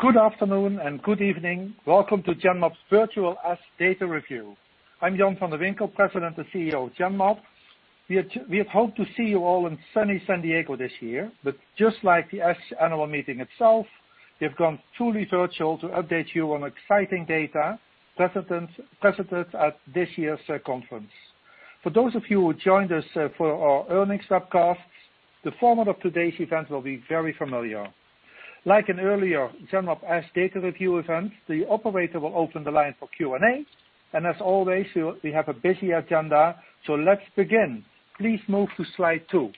Good afternoon and good evening. Welcome to Genmab's Virtual ASH Data Review. I'm Jan van de Winkel, President and CEO of Genmab. We had hoped to see you all in sunny San Diego this year, but just like the ASH Annual Meeting itself, we have gone truly virtual to update you on exciting data presented at this year's conference. For those of you who joined us for our earnings webcast, the format of today's event will be very familiar. Like in earlier Genmab ASH Data Review events, the operator will open the line for Q&A. As always, we have a busy agenda. Let's begin. Please move to Slide two.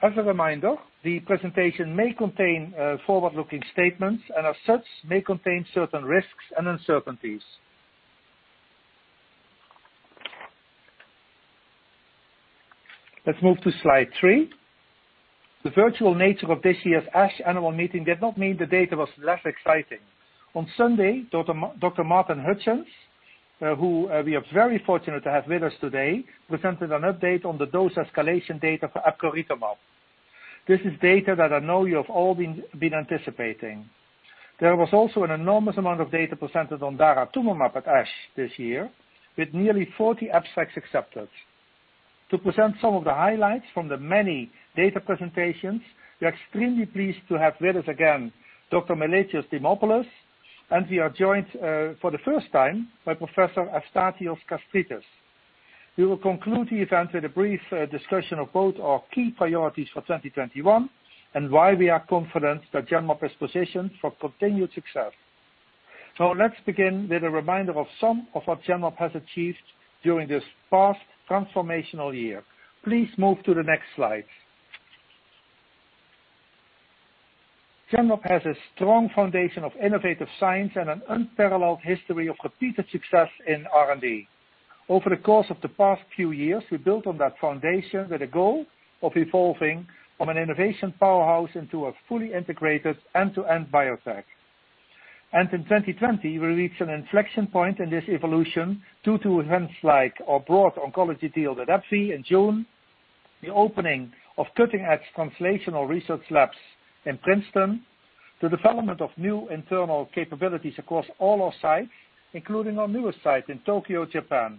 As a reminder, the presentation may contain forward-looking statements. As such, may contain certain risks and uncertainties. Let's move to Slide three. The virtual nature of this year's ASH Annual Meeting did not mean the data was less exciting. On Sunday, Dr. Martin Hutchings, who we are very fortunate to have with us today, presented an update on the dose escalation data for epcoritamab. This is data that I know you have all been anticipating. There was also an enormous amount of data presented on daratumumab at ASH this year, with nearly 40 abstracts accepted. To present some of the highlights from the many data presentations, we are extremely pleased to have with us again, Dr. Meletios Dimopoulos, and we are joined for the first time by Professor Efstathios Kastritis. We will conclude the event with a brief discussion of both our key priorities for 2021 and why we are confident that Genmab is positioned for continued success. Let's begin with a reminder of some of what Genmab has achieved during this past transformational year. Please move to the next slide. Genmab has a strong foundation of innovative science and an unparalleled history of repeated success in R&D. Over the course of the past few years, we built on that foundation with a goal of evolving from an innovation powerhouse into a fully integrated end-to-end biotech. In 2020, we reached an inflection point in this evolution due to events like our broad oncology deal with AbbVie in June, the opening of cutting-edge translational research labs in Princeton, the development of new internal capabilities across all our sites, including our newest site in Tokyo, Japan.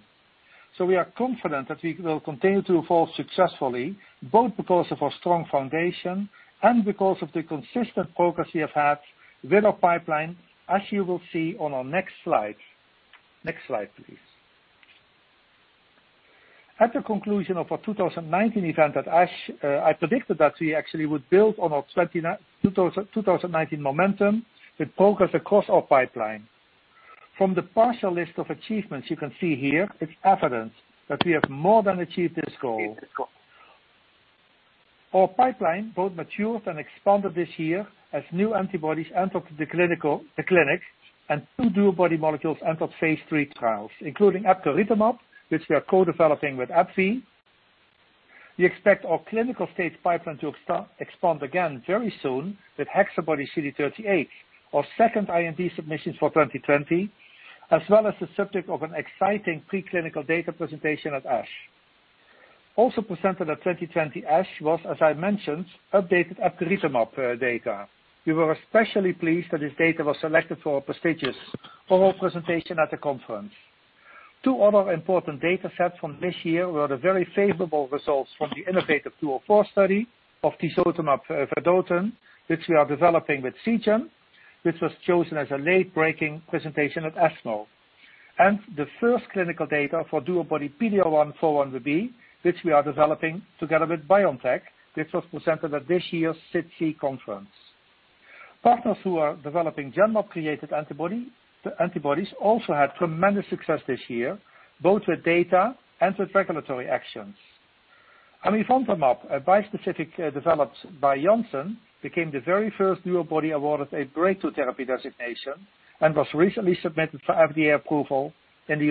We are confident that we will continue to evolve successfully, both because of our strong foundation and because of the consistent progress we have had with our pipeline, as you will see on our next slide. Next slide, please. At the conclusion of our 2019 event at ASH, I predicted that we actually would build on our 2019 momentum with progress across our pipeline. From the partial list of achievements you can see here, it's evident that we have more than achieved this goal. Our pipeline both matured and expanded this year as new antibodies entered the clinic, and two DuoBody molecules entered phase III trials, including epcoritamab, which we are co-developing with AbbVie. We expect our clinical-stage pipeline to expand again very soon with HexaBody-CD38, our second IND submission for 2020, as well as the subject of an exciting preclinical data presentation at ASH. Also presented at 2020 ASH was, as I mentioned, updated epcoritamab data. We were especially pleased that this data was selected for a prestigious oral presentation at the conference. Two other important data sets from this year were the very favorable results from the innovative 204 study of tisotumab vedotin, which we are developing with Seagen, which was chosen as a late-breaking presentation at ESMO, and the first clinical data for DuoBody-PD-L1x4-1BB, which we are developing together with BioNTech, which was presented at this year's SITC conference. Partners who are developing Genmab-created antibodies also had tremendous success this year, both with data and with regulatory actions. Amivantamab, a bispecific developed by Janssen, became the very first DuoBody awarded a breakthrough therapy designation and was recently submitted for FDA approval in the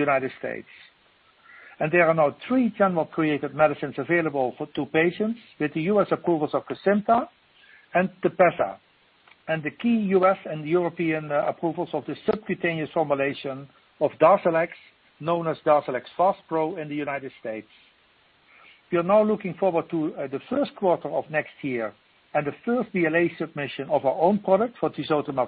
U.S. There are now three Genmab-created medicines available to patients with the U.S. approvals of KESIMPTA and TEPEZZA, and the key U.S. and European approvals of the subcutaneous formulation of DARZALEX, known as DARZALEX FASPRO in the United States. We are now looking forward to the first quarter of next year and the first BLA submission of our own product for tisotumab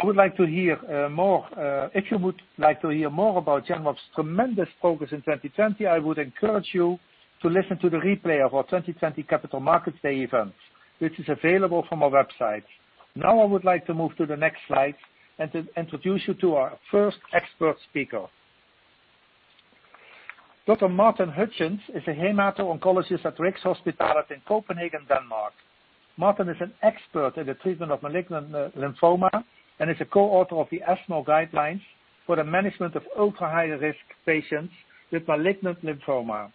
vedotin. If you would like to hear more about Genmab's tremendous progress in 2020, I would encourage you to listen to the replay of our 2020 Capital Markets Day event, which is available from our website. I would like to move to the next slide and introduce you to our first expert speaker. Dr. Martin Hutchings is a hemato-oncologist at Rigshospitalet in Copenhagen, Denmark. Martin is an expert in the treatment of malignant lymphoma and is a co-author of the ESMO guidelines for the management of ultra-high risk patients with malignant lymphoma.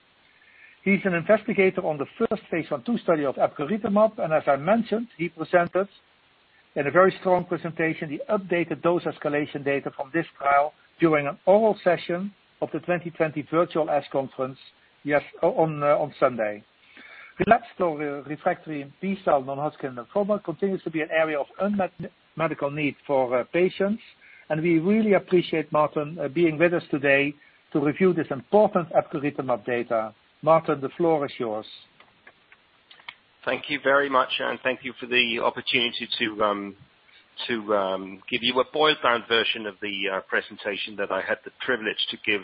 He's an investigator on the first phase I-II study of epcoritamab. As I mentioned, he presented in a very strong presentation the updated dose escalation data from this trial during an oral session of the 2020 Virtual ASH Conference on Sunday. Relapsed or refractory B-cell non-Hodgkin lymphoma continues to be an area of unmet medical need for patients. We really appreciate Martin being with us today to review this important epcoritamab data. Martin, the floor is yours. Thank you very much. Thank you for the opportunity to give you a boiled-down version of the presentation that I had the privilege to give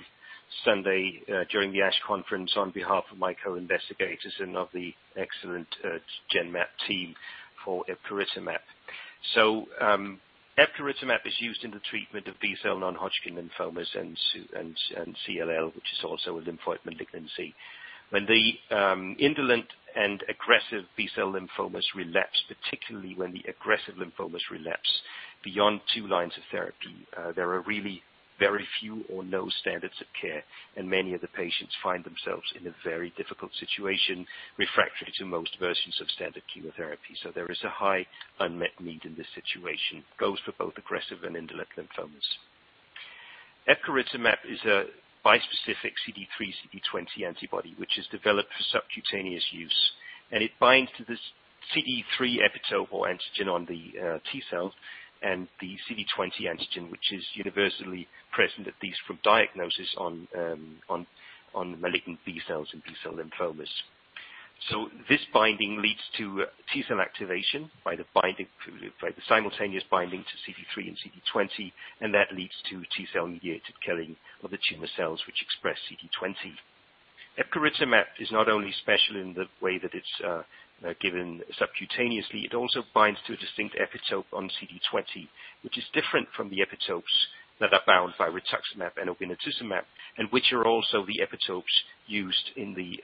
Sunday during the ASH conference on behalf of my co-investigators and of the excellent Genmab team for epcoritamab. Epcoritamab is used in the treatment of B-cell non-Hodgkin lymphomas and CLL, which is also a lymphoid malignancy. When the indolent and aggressive B-cell lymphomas relapse, particularly when the aggressive lymphomas relapse beyond two lines of therapy, there are really very few or no standards of care. Many of the patients find themselves in a very difficult situation, refractory to most versions of standard chemotherapy. There is a high unmet need in this situation, goes for both aggressive and indolent lymphomas. epcoritamab is a bispecific CD3/CD20 antibody, which is developed for subcutaneous use. It binds to this CD3 epitope or antigen on the T-cell and the CD20 antigen, which is universally present, at least from diagnosis, on malignant B-cells and B-cell lymphomas. This binding leads to T-cell activation by the simultaneous binding to CD3 and CD20. That leads to T-cell-mediated killing of the tumor cells which express CD20. epcoritamab is not only special in the way that it's given subcutaneously, it also binds to a distinct epitope on CD20, which is different from the epitopes that are bound by rituximab and obinutuzumab, which are also the epitopes used in the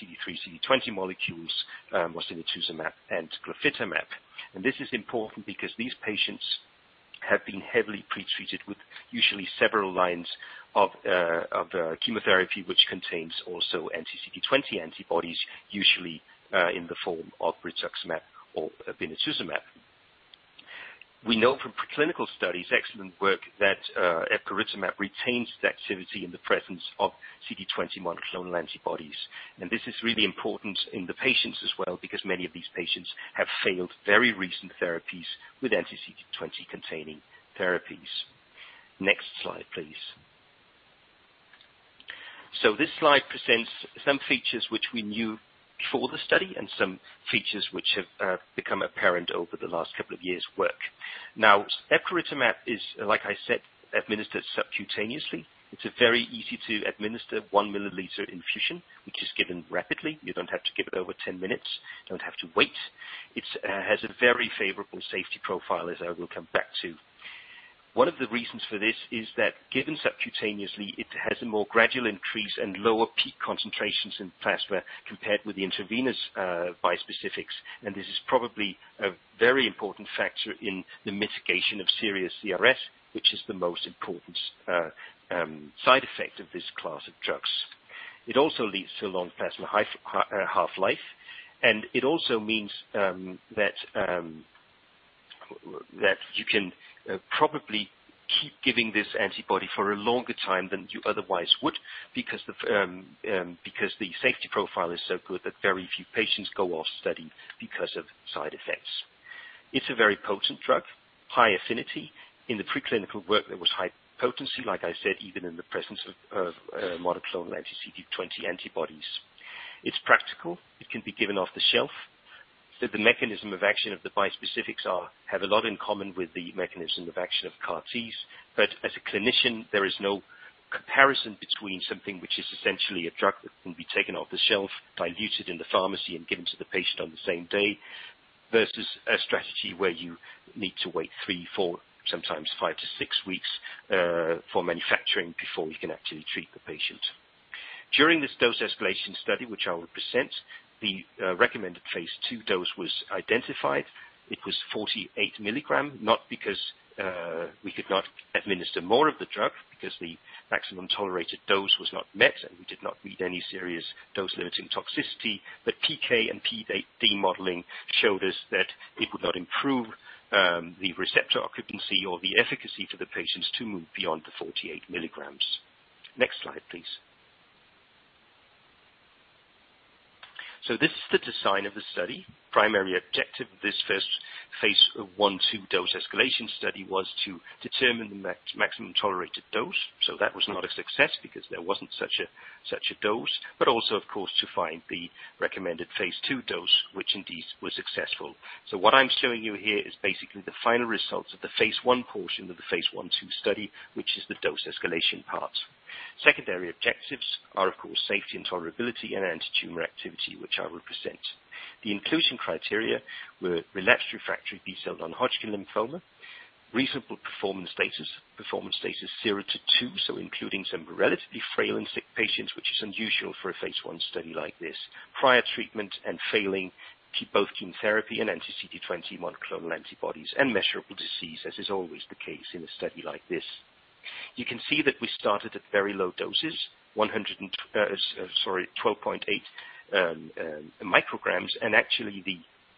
CD3/CD20 molecules, mosunetuzumab and glofitamab. This is important because these patients have been heavily pretreated with usually several lines of chemotherapy, which contains also anti-CD20 antibodies, usually in the form of rituximab or obinutuzumab. We know from preclinical studies, excellent work, that epcoritamab retains the activity in the presence of CD20 monoclonal antibodies. This is really important in the patients as well because many of these patients have failed very recent therapies with anti-CD20-containing therapies. Next slide, please. This slide presents some features which we knew before the study and some features which have become apparent over the last couple of years' work. Epcoritamab is, like I said, administered subcutaneously. It's a very easy-to-administer one-milliliter infusion, which is given rapidly. You don't have to give it over 10 minutes. You don't have to wait. It has a very favorable safety profile, as I will come back to. One of the reasons for this is that given subcutaneously, it has a more gradual increase and lower peak concentrations in plasma compared with the intravenous bispecifics, and this is probably a very important factor in the mitigation of serious CRS, which is the most important side effect of this class of drugs. It also leads to long plasma half-life, and it also means that you can probably keep giving this antibody for a longer time than you otherwise would because the safety profile is so good that very few patients go off study because of side effects. It's a very potent drug, high affinity. In the preclinical work, there was high potency, like I said, even in the presence of monoclonal anti-CD20 antibodies. It's practical. It can be given off the shelf. The mechanism of action of the bispecifics have a lot in common with the mechanism of action of CAR T. As a clinician, there is no comparison between something which is essentially a drug that can be taken off the shelf, diluted in the pharmacy, and given to the patient on the same day, versus a strategy where you need to wait 3, 4, sometimes 5 to 6 weeks, for manufacturing before you can actually treat the patient. During this dose-escalation study, which I will present, the recommended phase II dose was identified. It was 48 mg, not because we could not administer more of the drug, because the maximum tolerated dose was not met, and we did not read any serious dose-limiting toxicity. PK and PD modeling showed us that it would not improve the receptor occupancy or the efficacy for the patients to move beyond the 48 mg. Next slide, please. This is the design of the study. Primary objective of this first phase I/II dose-escalation study was to determine the maximum tolerated dose. That was not a success because there wasn't such a dose, but also, of course, to find the recommended phase II dose, which indeed was successful. What I'm showing you here is basically the final results of the phase I portion of the phase I/II study, which is the dose-escalation part. Secondary objectives are, of course, safety and tolerability and antitumor activity, which I will present. The inclusion criteria were relapsed/refractory B-cell non-Hodgkin lymphoma, reasonable performance status, performance status 0-2, so including some relatively frail and sick patients, which is unusual for a phase I study like this, prior treatment and failing both CAR T-cell therapy and anti-CD20 monoclonal antibodies, and measurable disease, as is always the case in a study like this. You can see that we started at very low doses, 12.8 mcg. Actually,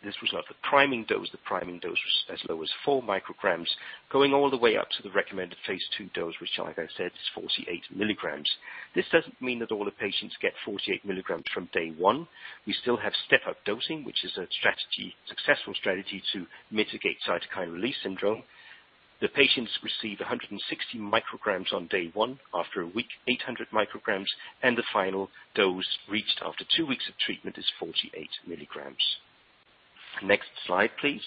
this was not the priming dose. The priming dose was as low as four micrograms, going all the way up to the recommended phase II dose, which, like I said, is 48 mg. This doesn't mean that all the patients get 48 mg from day one. We still have step-up dosing, which is a successful strategy to mitigate cytokine release syndrome. The patients receive 160 mcg on day 1, after a week, 800 mcg, and the final dose reached after two weeks of treatment is 48 mg. Next slide, please.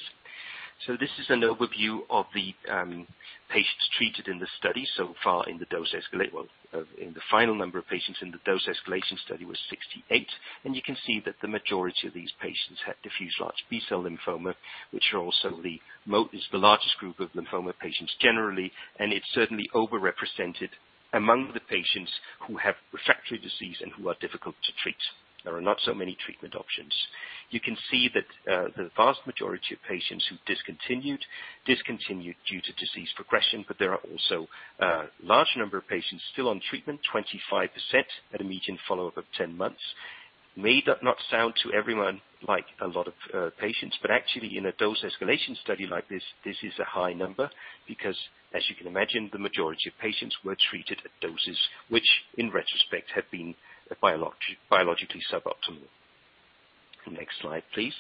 This is an overview of the patients treated in the study so far in the dose escalation. The final number of patients in the dose escalation study was 68, and you can see that the majority of these patients had diffuse large B-cell lymphoma, which is the largest group of lymphoma patients generally, and it's certainly over-represented among the patients who have refractory disease and who are difficult to treat. There are not so many treatment options. You can see that the vast majority of patients who discontinued due to disease progression, but there are also a large number of patients still on treatment, 25%, at a median follow-up of 10 months. May not sound to everyone like a lot of patients, but actually, in a dose escalation study like this is a high number because, as you can imagine, the majority of patients were treated at doses which, in retrospect, have been biologically suboptimal. Next slide, please.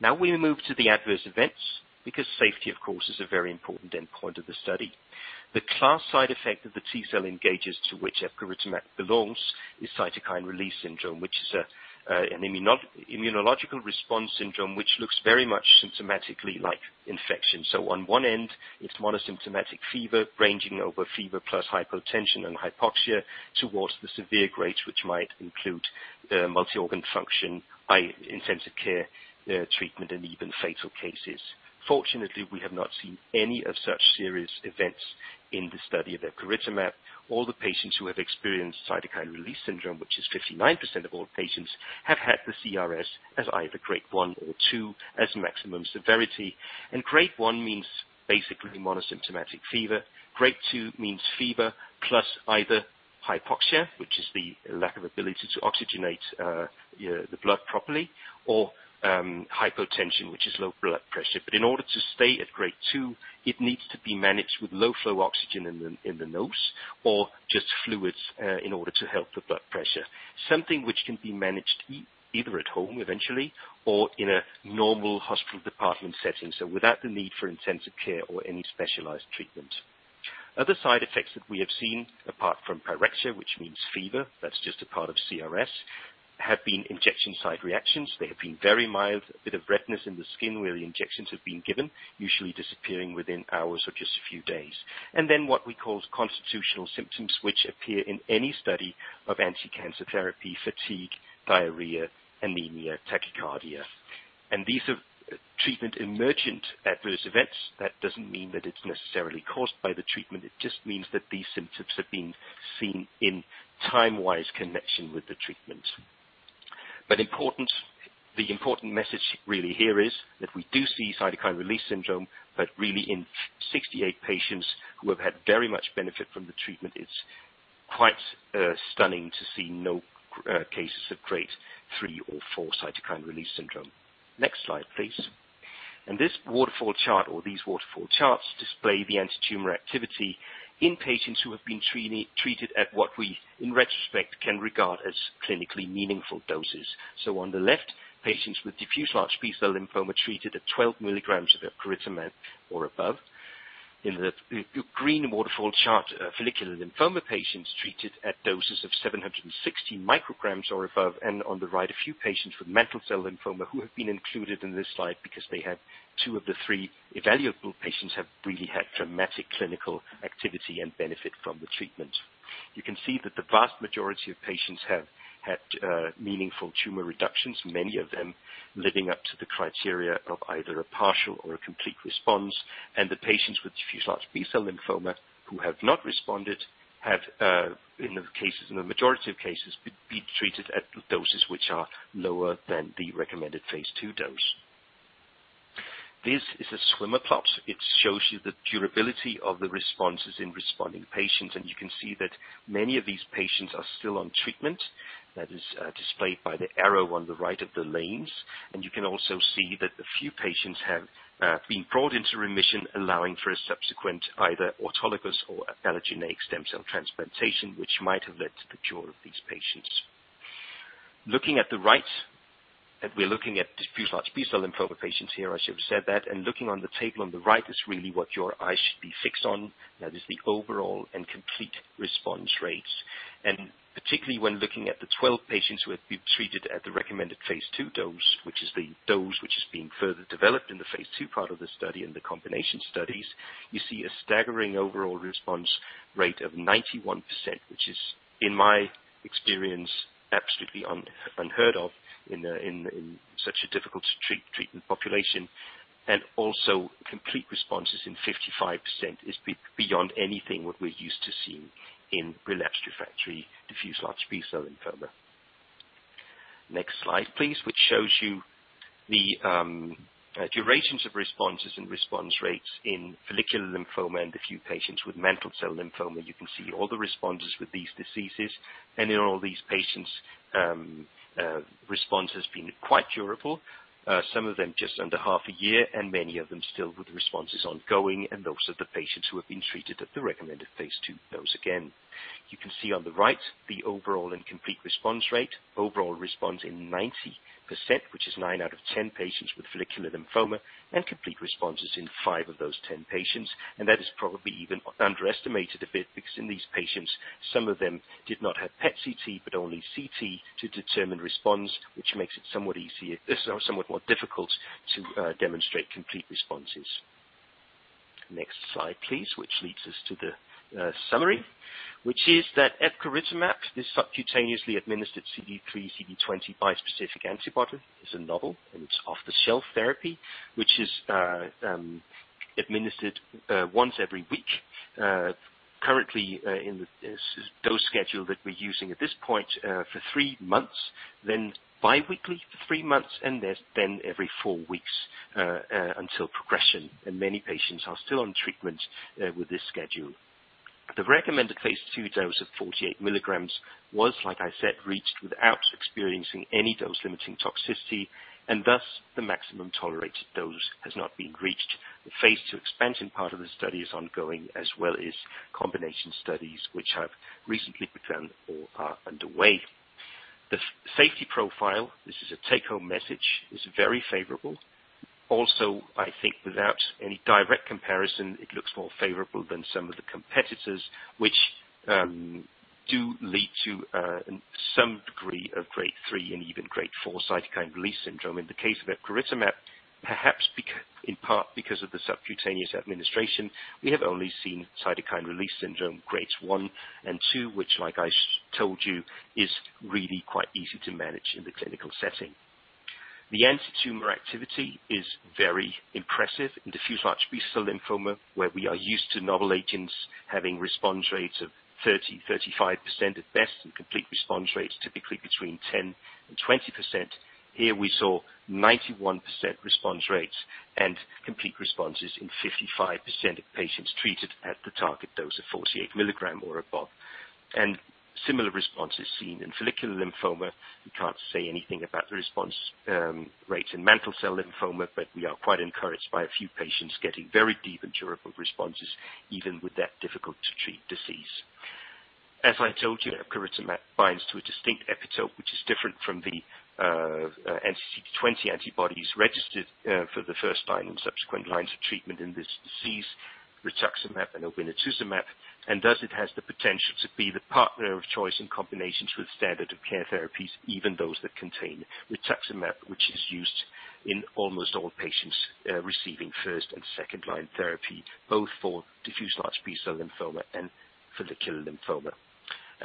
Now we move to the adverse events because safety, of course, is a very important endpoint of the study. The class side effect of the T-cell engagers to which epcoritamab belongs is Cytokine Release Syndrome, which is an immunological response syndrome which looks very much symptomatically like infection. On one end, it's monosymptomatic fever ranging over fever plus hypotension and hypoxia towards the severe grades, which might include multi-organ failure, intensive care treatment, and even fatal cases. Fortunately, we have not seen any of such serious events in the study of epcoritamab. All the patients who have experienced cytokine release syndrome, which is 59% of all patients, have had the CRS as either Grade 1 or 2 as maximum severity. Grade 1 means basically monosymptomatic fever. Grade 2 means fever plus either hypoxia, which is the lack of ability to oxygenate the blood properly, or hypotension, which is low blood pressure. In order to stay at Grade 2, it needs to be managed with low-flow oxygen in the nose or just fluids in order to help the blood pressure. Something which can be managed either at home eventually or in a normal hospital department setting, without the need for intensive care or any specialized treatment. Other side effects that we have seen, apart from pyrexia, which means fever, that's just a part of CRS, have been injection site reactions. They have been very mild, a bit of redness in the skin where the injections have been given, usually disappearing within hours or just a few days. Then what we call constitutional symptoms, which appear in any study of anti-cancer therapy, fatigue, diarrhea, anemia, tachycardia. These are treatment-emergent adverse events. That doesn't mean that it's necessarily caused by the treatment. It just means that these symptoms have been seen in time-wise connection with the treatment. The important message really here is that we do see cytokine release syndrome, but really in 68 patients who have had very much benefit from the treatment, it's quite stunning to see no cases of Grade 3 or 4 cytokine release syndrome. Next slide, please. This waterfall chart or these waterfall charts display the antitumor activity in patients who have been treated at what we, in retrospect, can regard as clinically meaningful doses. On the left, patients with diffuse large B-cell lymphoma treated at 12 mg of epcoritamab or above. In the green waterfall chart, follicular lymphoma patients treated at doses of 760 mcg or above. On the right, a few patients with mantle cell lymphoma who have been included in this slide because they have two of the three evaluable patients have really had dramatic clinical activity and benefit from the treatment. You can see that the vast majority of patients have had meaningful tumor reductions, many of them living up to the criteria of either a partial or a complete response. The patients with diffuse large B-cell lymphoma who have not responded have, in the majority of cases, be treated at doses which are lower than the recommended phase II dose. This is a swimmer plot. It shows you the durability of the responses in responding patients, and you can see that many of these patients are still on treatment. That is displayed by the arrow on the right of the lanes. You can also see that a few patients have been brought into remission, allowing for a subsequent either autologous or allogeneic stem cell transplantation, which might have led to the cure of these patients. Looking at the right, and we're looking at diffuse large B-cell lymphoma patients here, I should have said that, and looking on the table on the right is really what your eyes should be fixed on. That is the overall and complete response rates. Particularly when looking at the 12 patients who have been treated at the recommended phase II dose, which is the dose which is being further developed in the phase II part of the study and the combination studies, you see a staggering overall response rate of 91%, which is, in my experience, absolutely unheard of in such a difficult-to-treat treatment population, and also complete responses in 55% is beyond anything what we're used to seeing in relapsed/refractory diffuse large B-cell lymphoma. Next slide, please, which shows you the durations of responses and response rates in follicular lymphoma and a few patients with mantle cell lymphoma, you can see all the responses with these diseases. In all these patients, response has been quite durable. Some of them just under half a year, many of them still with responses ongoing. Those are the patients who have been treated at the recommended phase II dose again. You can see on the right the overall and complete response rate, overall response in 90%, which is nine out of 10 patients with follicular lymphoma, complete responses in five of those 10 patients. That is probably even underestimated a bit because in these patients, some of them did not have PET-CT, but only CT to determine response, which makes it somewhat more difficult to demonstrate complete responses. Next slide, please, which leads us to the summary, which is that epcoritamab, this subcutaneously administered CD3/CD20 bispecific antibody, is a novel and it's off-the-shelf therapy, which is administered once every week. Currently, in this dose schedule that we're using at this point, for three months, then bi-weekly for three months, and then every four weeks until progression, and many patients are still on treatment with this schedule. The recommended phase II dose of 48 mg was, like I said, reached without experiencing any dose-limiting toxicity, and thus the maximum tolerated dose has not been reached. The phase II expansion part of the study is ongoing, as well as combination studies, which have recently begun or are underway. The safety profile, this is a take-home message, is very favorable. I think without any direct comparison, it looks more favorable than some of the competitors, which do lead to some degree of grade 3 and even grade 4 cytokine release syndrome. In the case of epcoritamab, perhaps in part because of the subcutaneous administration, we have only seen Cytokine Release Syndrome grades 1 and 2, which, like I told you, is really quite easy to manage in the clinical setting. The anti-tumor activity is very impressive in diffuse large B-cell lymphoma, where we are used to novel agents having response rates of 30%, 35% at best, and complete response rates typically between 10% and 20%. Here we saw 91% response rates and complete responses in 55% of patients treated at the target dose of 48 mg or above. Similar responses seen in follicular lymphoma. We can't say anything about the response rates in mantle cell lymphoma, but we are quite encouraged by a few patients getting very deep and durable responses, even with that difficult-to-treat disease. As I told you, epcoritamab binds to a distinct epitope, which is different from the anti-CD20 antibodies registered for the first time in subsequent lines of treatment in this disease, rituximab and obinutuzumab, and thus it has the potential to be the partner of choice in combinations with standard of care therapies, even those that contain rituximab, which is used in almost all patients receiving first and second-line therapy, both for diffuse large B-cell lymphoma and follicular lymphoma.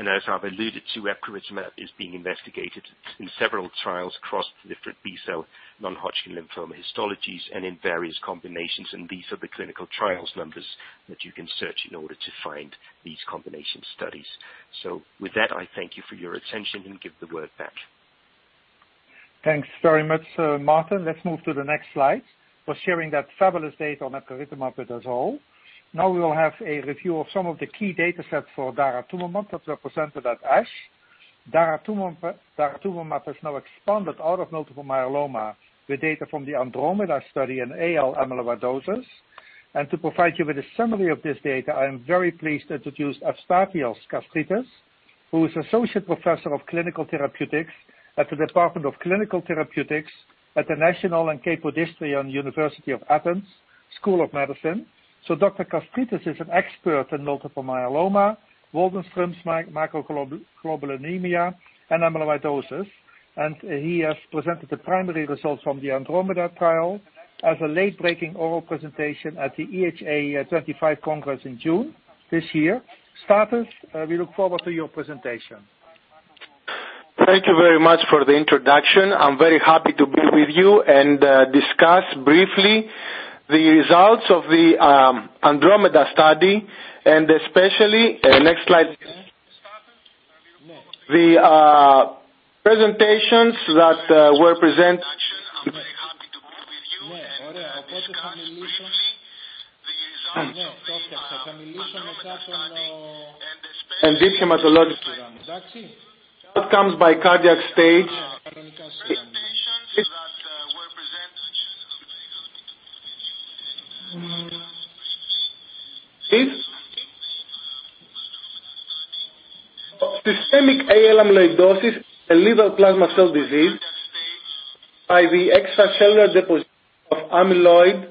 As I've alluded to, epcoritamab is being investigated in several trials across different B-cell non-Hodgkin lymphoma histologies and in various combinations, and these are the clinical trials numbers that you can search in order to find these combination studies. With that, I thank you for your attention and give the word back. Thanks very much, Martin. Let's move to the next slide. For sharing that fabulous data on epcoritamab with us all. We will have a review of some of the key data sets for daratumumab that were presented at ASH. Daratumumab has now expanded out of multiple myeloma with data from the ANDROMEDA study in AL amyloidosis. To provide you with a summary of this data, I am very pleased to introduce Efstathios Kastritis, who is Associate Professor of Clinical Therapeutics at the Department of Clinical Therapeutics at the National and Kapodistrian University of Athens, School of Medicine. Dr. Kastritis is an expert in multiple myeloma, Waldenström's macroglobulinemia, and amyloidosis, and he has presented the primary results from the ANDROMEDA trial as a late-breaking oral presentation at the EHA 25 Congress in June this year. Stathis, we look forward to your presentation. Thank you very much for the introduction. I'm very happy to be with you and discuss briefly the results of the ANDROMEDA study and especially Next slide. I'm very happy to be with you. In these hematologic- Okay outcomes by cardiac stage Presentations that were present- Systemic AL amyloidosis, a lethal plasma cell disease by the extracellular deposition of amyloid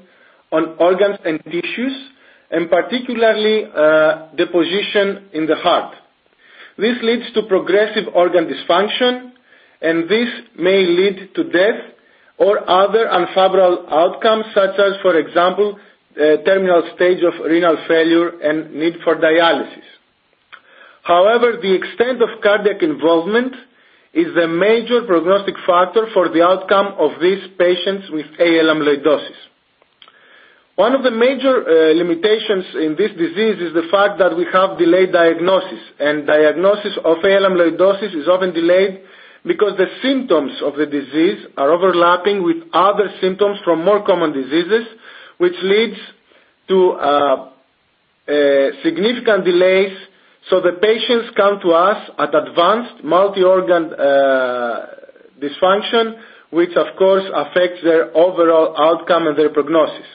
on organs and tissues, and particularly deposition in the heart. This leads to progressive organ dysfunction, and this may lead to death or other unfavorable outcomes, such as, for example, terminal stage of renal failure and need for dialysis. However, the extent of cardiac involvement is a major prognostic factor for the outcome of these patients with AL amyloidosis. One of the major limitations in this disease is the fact that we have delayed diagnosis, and diagnosis of AL amyloidosis is often delayed because the symptoms of the disease are overlapping with other symptoms from more common diseases, which leads to significant delays. The patients come to us at advanced multi-organ dysfunction, which, of course, affects their overall outcome and their prognosis.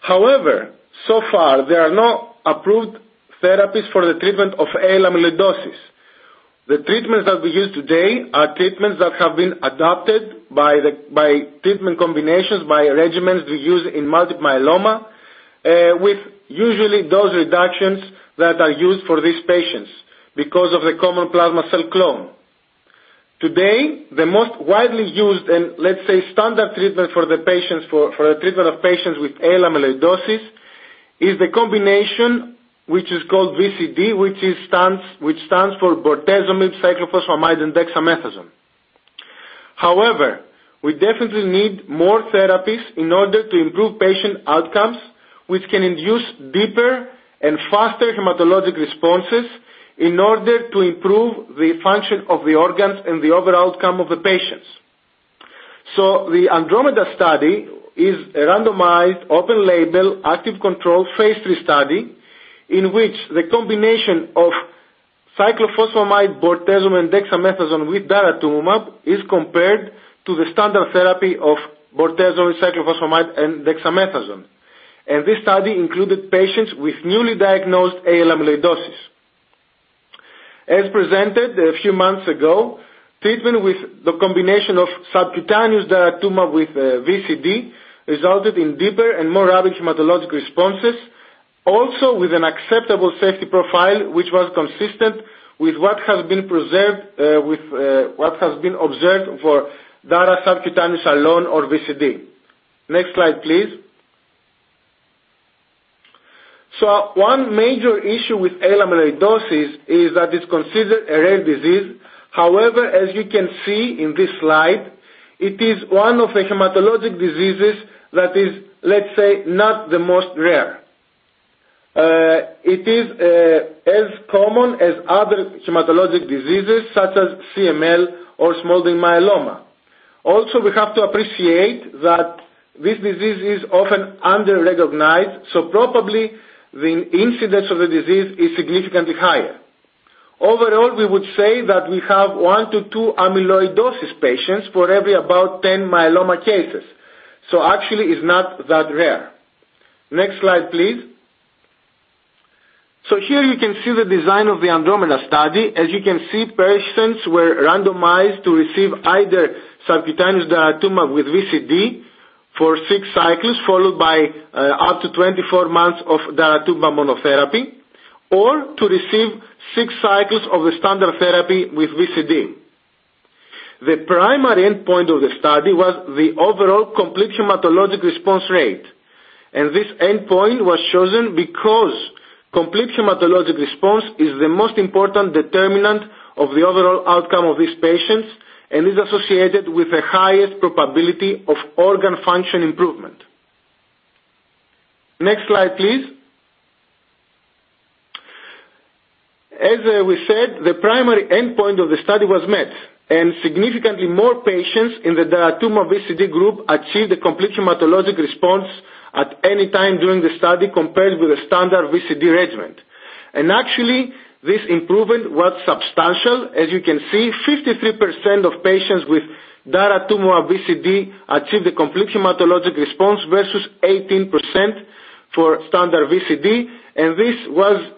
However, so far, there are no approved therapies for the treatment of AL amyloidosis. The treatments that we use today are treatments that have been adopted by treatment combinations, by regimens we use in multiple myeloma, with usually dose reductions that are used for these patients because of the common plasma cell clone. Today, the most widely used and, let's say, standard treatment for the treatment of patients with AL amyloidosis is the combination, which is called VCD, which stands for bortezomib, cyclophosphamide, and dexamethasone. However, we definitely need more therapies in order to improve patient outcomes, which can induce deeper and faster hematologic responses in order to improve the function of the organs and the overall outcome of the patients. The ANDROMEDA study is a randomized, open-label, active control phase III study in which the combination of cyclophosphamide, bortezomib, and dexamethasone with daratumumab is compared to the standard therapy of bortezomib, cyclophosphamide, and dexamethasone. This study included patients with newly diagnosed AL amyloidosis. As presented a few months ago, treatment with the combination of subcutaneous daratumumab with VCD resulted in deeper and more rapid hematologic responses. With an acceptable safety profile, which was consistent with what has been observed for dara subcutaneous alone or VCD. Next slide, please. One major issue with AL amyloidosis is that it's considered a rare disease. However, as you can see in this slide, it is one of the hematologic diseases that is, let's say, not the most rare. It is as common as other hematologic diseases such as CML or smoldering myeloma. We have to appreciate that this disease is often under-recognized, so probably the incidence of the disease is significantly higher. Overall, we would say that we have one to two amyloidosis patients for every about 10 myeloma cases. Actually, it's not that rare. Next slide, please. Here you can see the design of the ANDROMEDA study. As you can see, patients were randomized to receive either subcutaneous daratumumab with VCD for six cycles, followed by up to 24 months of daratumumab monotherapy, or to receive 6 cycles of the standard therapy with VCD. The primary endpoint of the study was the overall complete hematologic response rate, and this endpoint was chosen because complete hematologic response is the most important determinant of the overall outcome of these patients and is associated with the highest probability of organ function improvement. Next slide, please. As we said, the primary endpoint of the study was met, and significantly more patients in the daratumumab VCD group achieved a complete hematologic response at any time during the study compared with the standard VCD regimen. Actually, this improvement was substantial. As you can see, 53% of patients with daratumumab VCD achieved a complete hematologic response versus 18% for standard VCD. This was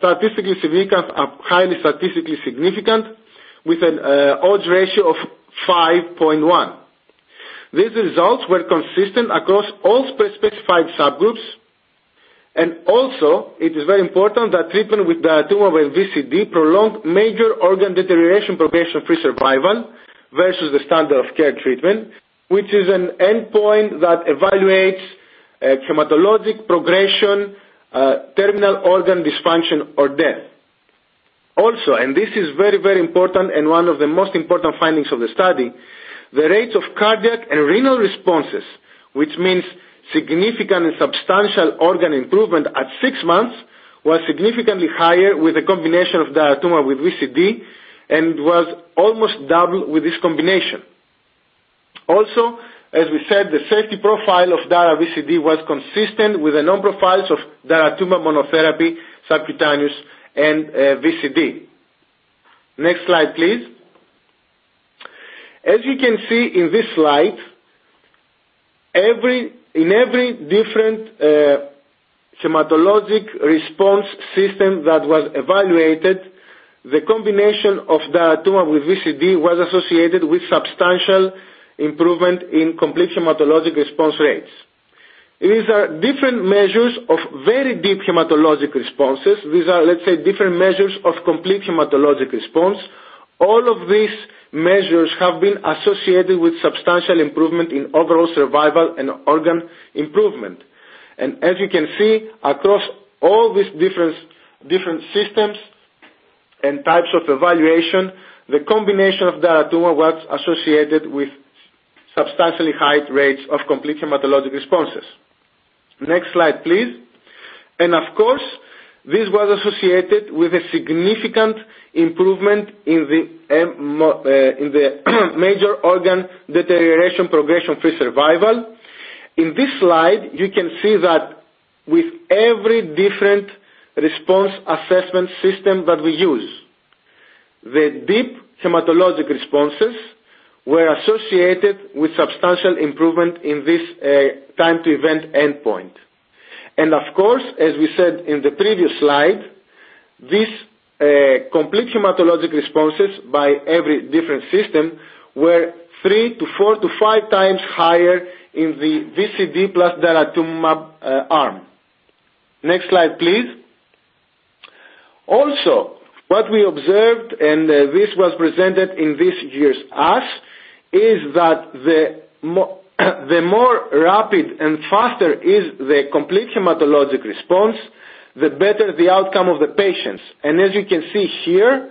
highly statistically significant, with an odds ratio of 5.1. These results were consistent across all specified subgroups. Also, it is very important that treatment with daratumumab VCD prolonged Major Organ Deterioration Progression-Free Survival versus the standard of care treatment, which is an endpoint that evaluates hematologic progression, terminal organ dysfunction, or death. Also, this is very, very important and one of the most important findings of the study, the rates of cardiac and renal responses, which means significant and substantial organ improvement at six months, was significantly higher with a combination of daratumumab with VCD and was almost double with this combination. Also, as we said, the safety profile of dara VCD was consistent with the known profiles of daratumumab monotherapy, subcutaneous, and VCD. Next slide, please. As you can see in this slide, in every different hematologic response system that was evaluated, the combination of daratumumab with VCD was associated with substantial improvement in complete hematologic response rates. These are different measures of very deep hematologic responses. These are, let's say, different measures of complete hematologic response. All of these measures have been associated with substantial improvement in overall survival and organ improvement. As you can see, across all these different systems and types of evaluation, the combination of daratumumab associated with substantially high rates of complete hematologic responses. Next slide, please. Of course, this was associated with a significant improvement in the Major Organ Deterioration Progression-Free Survival. In this slide, you can see that with every different response assessment system that we use, the deep hematologic responses were associated with substantial improvement in this time to event endpoint. Of course, as we said in the previous slide, these complete hematologic responses by every different system were 3 to 4 to 5 times higher in the VCD plus daratumumab arm. Next slide, please. What we observed, and this was presented in this year's ASH, is that the more rapid and faster is the complete hematologic response, the better the outcome of the patients. As you can see here,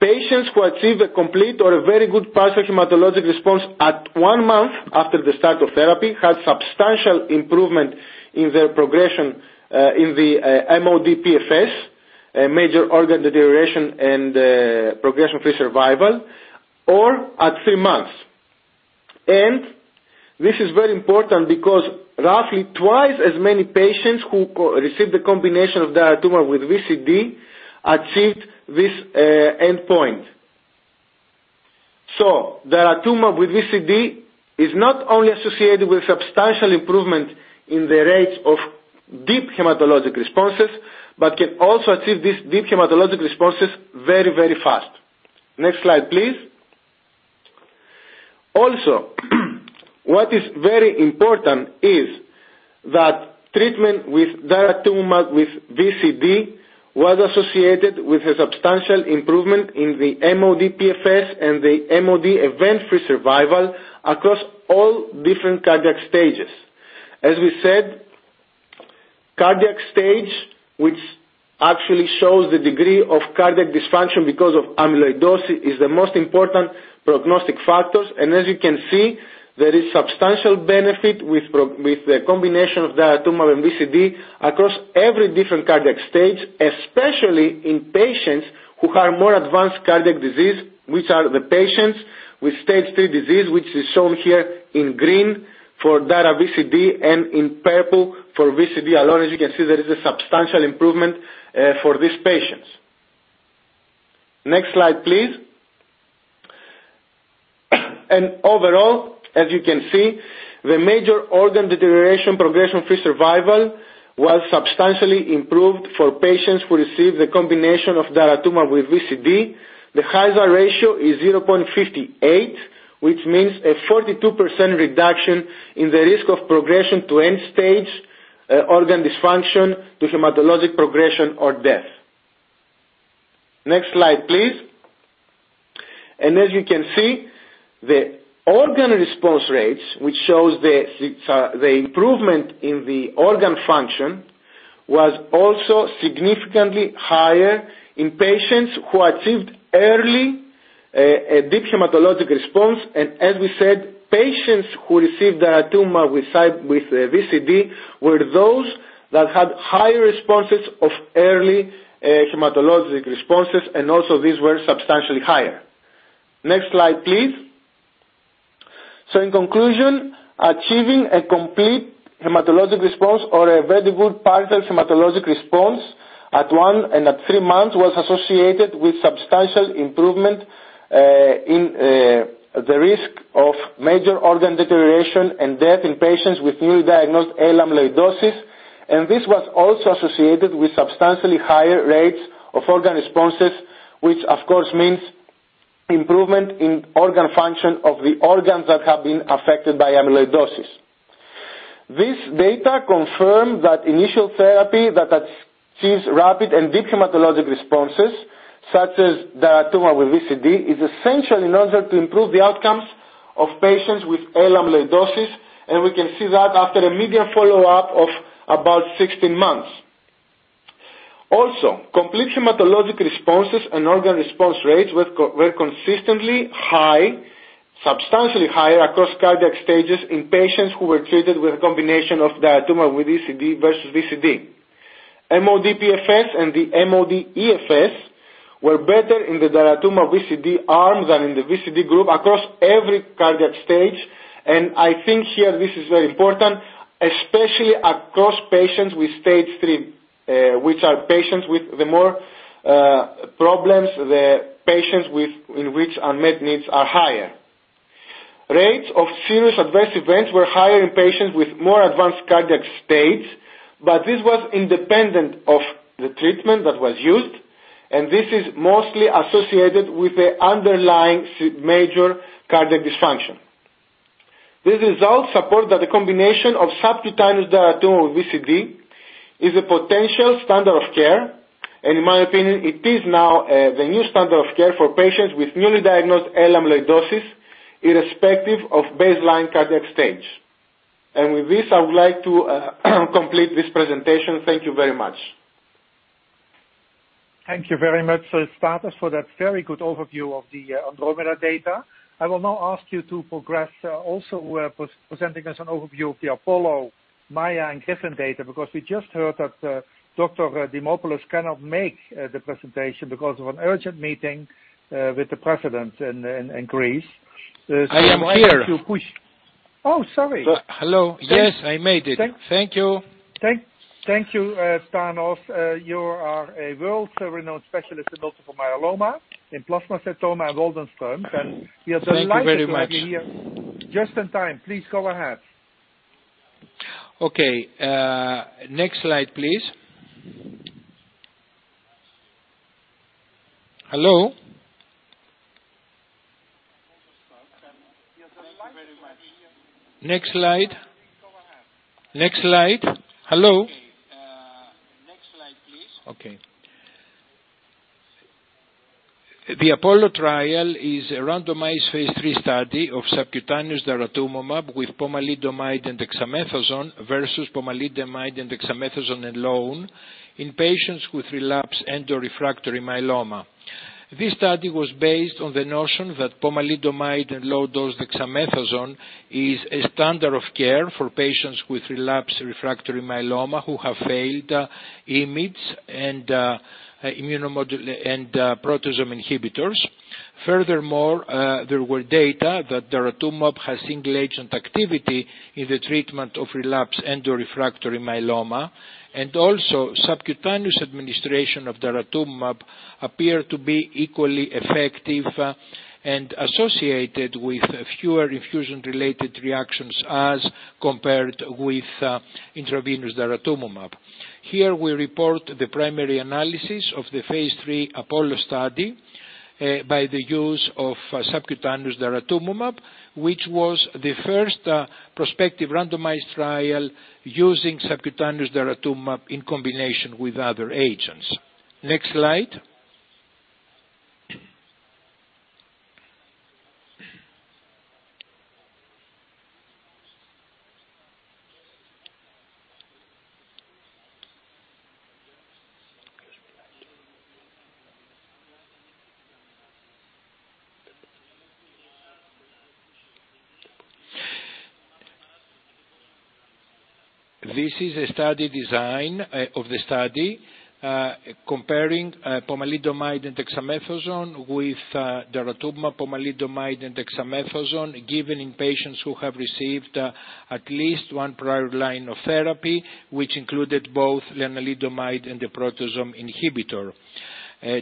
patients who achieve a complete or a very good partial hematologic response at 1 month after the start of therapy had substantial improvement in their progression, in the MOD-PFS, major organ deterioration, and progression-free survival, or at 3 months. This is very important because roughly twice as many patients who received the combination of daratumumab with VCD achieved this endpoint. Daratumumab with VCD is not only associated with substantial improvement in the rates of deep hematologic responses, but can also achieve these deep hematologic responses very, very fast. Next slide, please. What is very important is that treatment with daratumumab with VCD was associated with a substantial improvement in the MOD-PFS and the MOD event-free survival across all different cardiac stages. As we said, cardiac stage, which actually shows the degree of cardiac dysfunction because of amyloidosis, is the most important prognostic factors. As you can see, there is substantial benefit with the combination of daratumumab and VCD across every different cardiac stage, especially in patients who have more advanced cardiac disease, which are the patients with stage 3 disease, which is shown here in green for dara VCD and in purple for VCD alone. As you can see, there is a substantial improvement for these patients. Next slide, please. Overall, as you can see, the Major Organ Deterioration Progression-Free Survival was substantially improved for patients who received the combination of daratumumab with VCD. The hazard ratio is 0.58, which means a 42% reduction in the risk of progression to end-stage organ dysfunction to hematologic progression or death. Next slide, please. As you can see, the organ response rates, which shows the improvement in the organ function, was also significantly higher in patients who achieved early deep hematologic response. As we said, patients who received daratumumab with VCD were those that had high responses of early hematologic responses, and also these were substantially higher. Next slide, please. In conclusion, achieving a complete hematologic response or a very good partial hematologic response at one and at three months was associated with substantial improvement in the risk of major organ deterioration and death in patients with newly diagnosed AL amyloidosis. This was also associated with substantially higher rates of organ responses, which of course means improvement in organ function of the organs that have been affected by amyloidosis. This data confirm that initial therapy that achieves rapid and deep hematologic responses, such as daratumumab with VCD, is essential in order to improve the outcomes of patients with AL amyloidosis. We can see that after a median follow-up of about 16 months. Complete hematologic responses and organ response rates were consistently high, substantially higher across cardiac stages in patients who were treated with a combination of daratumumab with VCD versus VCD. MOD-PFS and the MOD-EFS were better in the daratumumab VCD arm than in the VCD group across every cardiac stage. I think here, this is very important, especially across patients with stage 3, which are patients with the more problems, the patients in which unmet needs are higher. Rates of serious adverse events were higher in patients with more advanced cardiac stage. This was independent of the treatment that was used. This is mostly associated with the underlying major cardiac dysfunction. These results support that the combination of subcutaneous daratumumab with VCD is a potential standard of care. In my opinion, it is now the new standard of care for patients with newly diagnosed AL amyloidosis, irrespective of baseline cardiac stage. With this, I would like to complete this presentation. Thank you very much. Thank you very much, Stathis, for that very good overview of the ANDROMEDA data. I will now ask you to progress, also presenting us an overview of the APOLLO, MAIA, and GRIFFIN data, because we just heard that Dr. Dimopoulos cannot make the presentation because of an urgent meeting with the President in Greece. I am here. Oh, sorry. Hello. Yes, I made it. Thank you. Thank you, Meletios. You are a world-renowned specialist in multiple myeloma, in plasma cell tumor and Waldenström. Thank you very much. We are delighted to have you here. Just in time. Please go ahead. Okay. Next slide, please. Hello? Thank you very much. Next slide. Next slide. Hello? Next slide, please. The APOLLO trial is a randomized phase III study of subcutaneous daratumumab with pomalidomide and dexamethasone versus pomalidomide and dexamethasone alone in patients with relapsed and/or refractory myeloma. This study was based on the notion that pomalidomide and low-dose dexamethasone is a standard of care for patients with relapsed refractory myeloma who have failed IMiDs and proteasome inhibitors. There were data that daratumumab has single-agent activity in the treatment of relapsed and/or refractory myeloma, and also subcutaneous administration of daratumumab appeared to be equally effective and associated with fewer infusion-related reactions as compared with intravenous daratumumab. Here, we report the primary analysis of the phase III APOLLO study by the use of subcutaneous daratumumab, which was the first prospective randomized trial using subcutaneous daratumumab in combination with other agents. Next slide. This is a study design of the study comparing pomalidomide and dexamethasone with daratumumab, pomalidomide, and dexamethasone given in patients who have received at least one prior line of therapy, which included both lenalidomide and the proteasome inhibitor.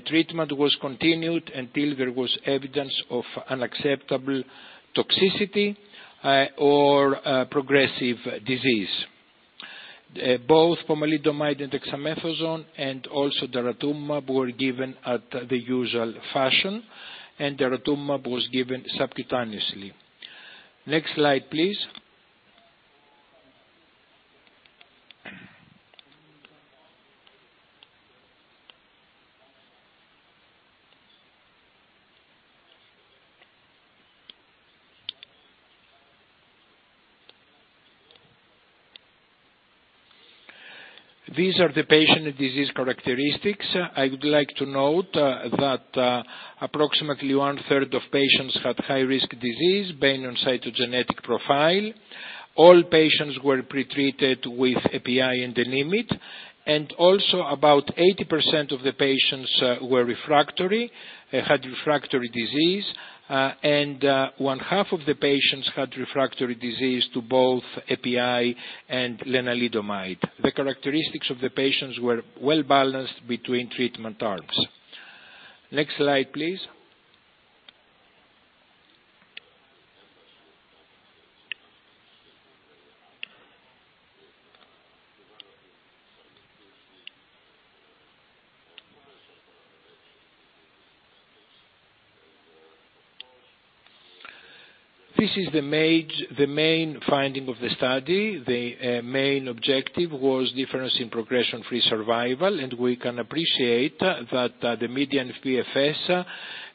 Treatment was continued until there was evidence of unacceptable toxicity or progressive disease. Both pomalidomide and dexamethasone and also daratumumab were given at the usual fashion, and daratumumab was given subcutaneously. Next slide, please. These are the patient disease characteristics. I would like to note that approximately one-third of patients had high-risk disease based on cytogenetic profile. All patients were pretreated with PI and IMiD, and also about 80% of the patients were refractory, had refractory disease, and one-half of the patients had refractory disease to both PI and lenalidomide. The characteristics of the patients were well-balanced between treatment arms. Next slide, please. This is the main finding of the study. The main objective was difference in progression-free survival, and we can appreciate that the median PFS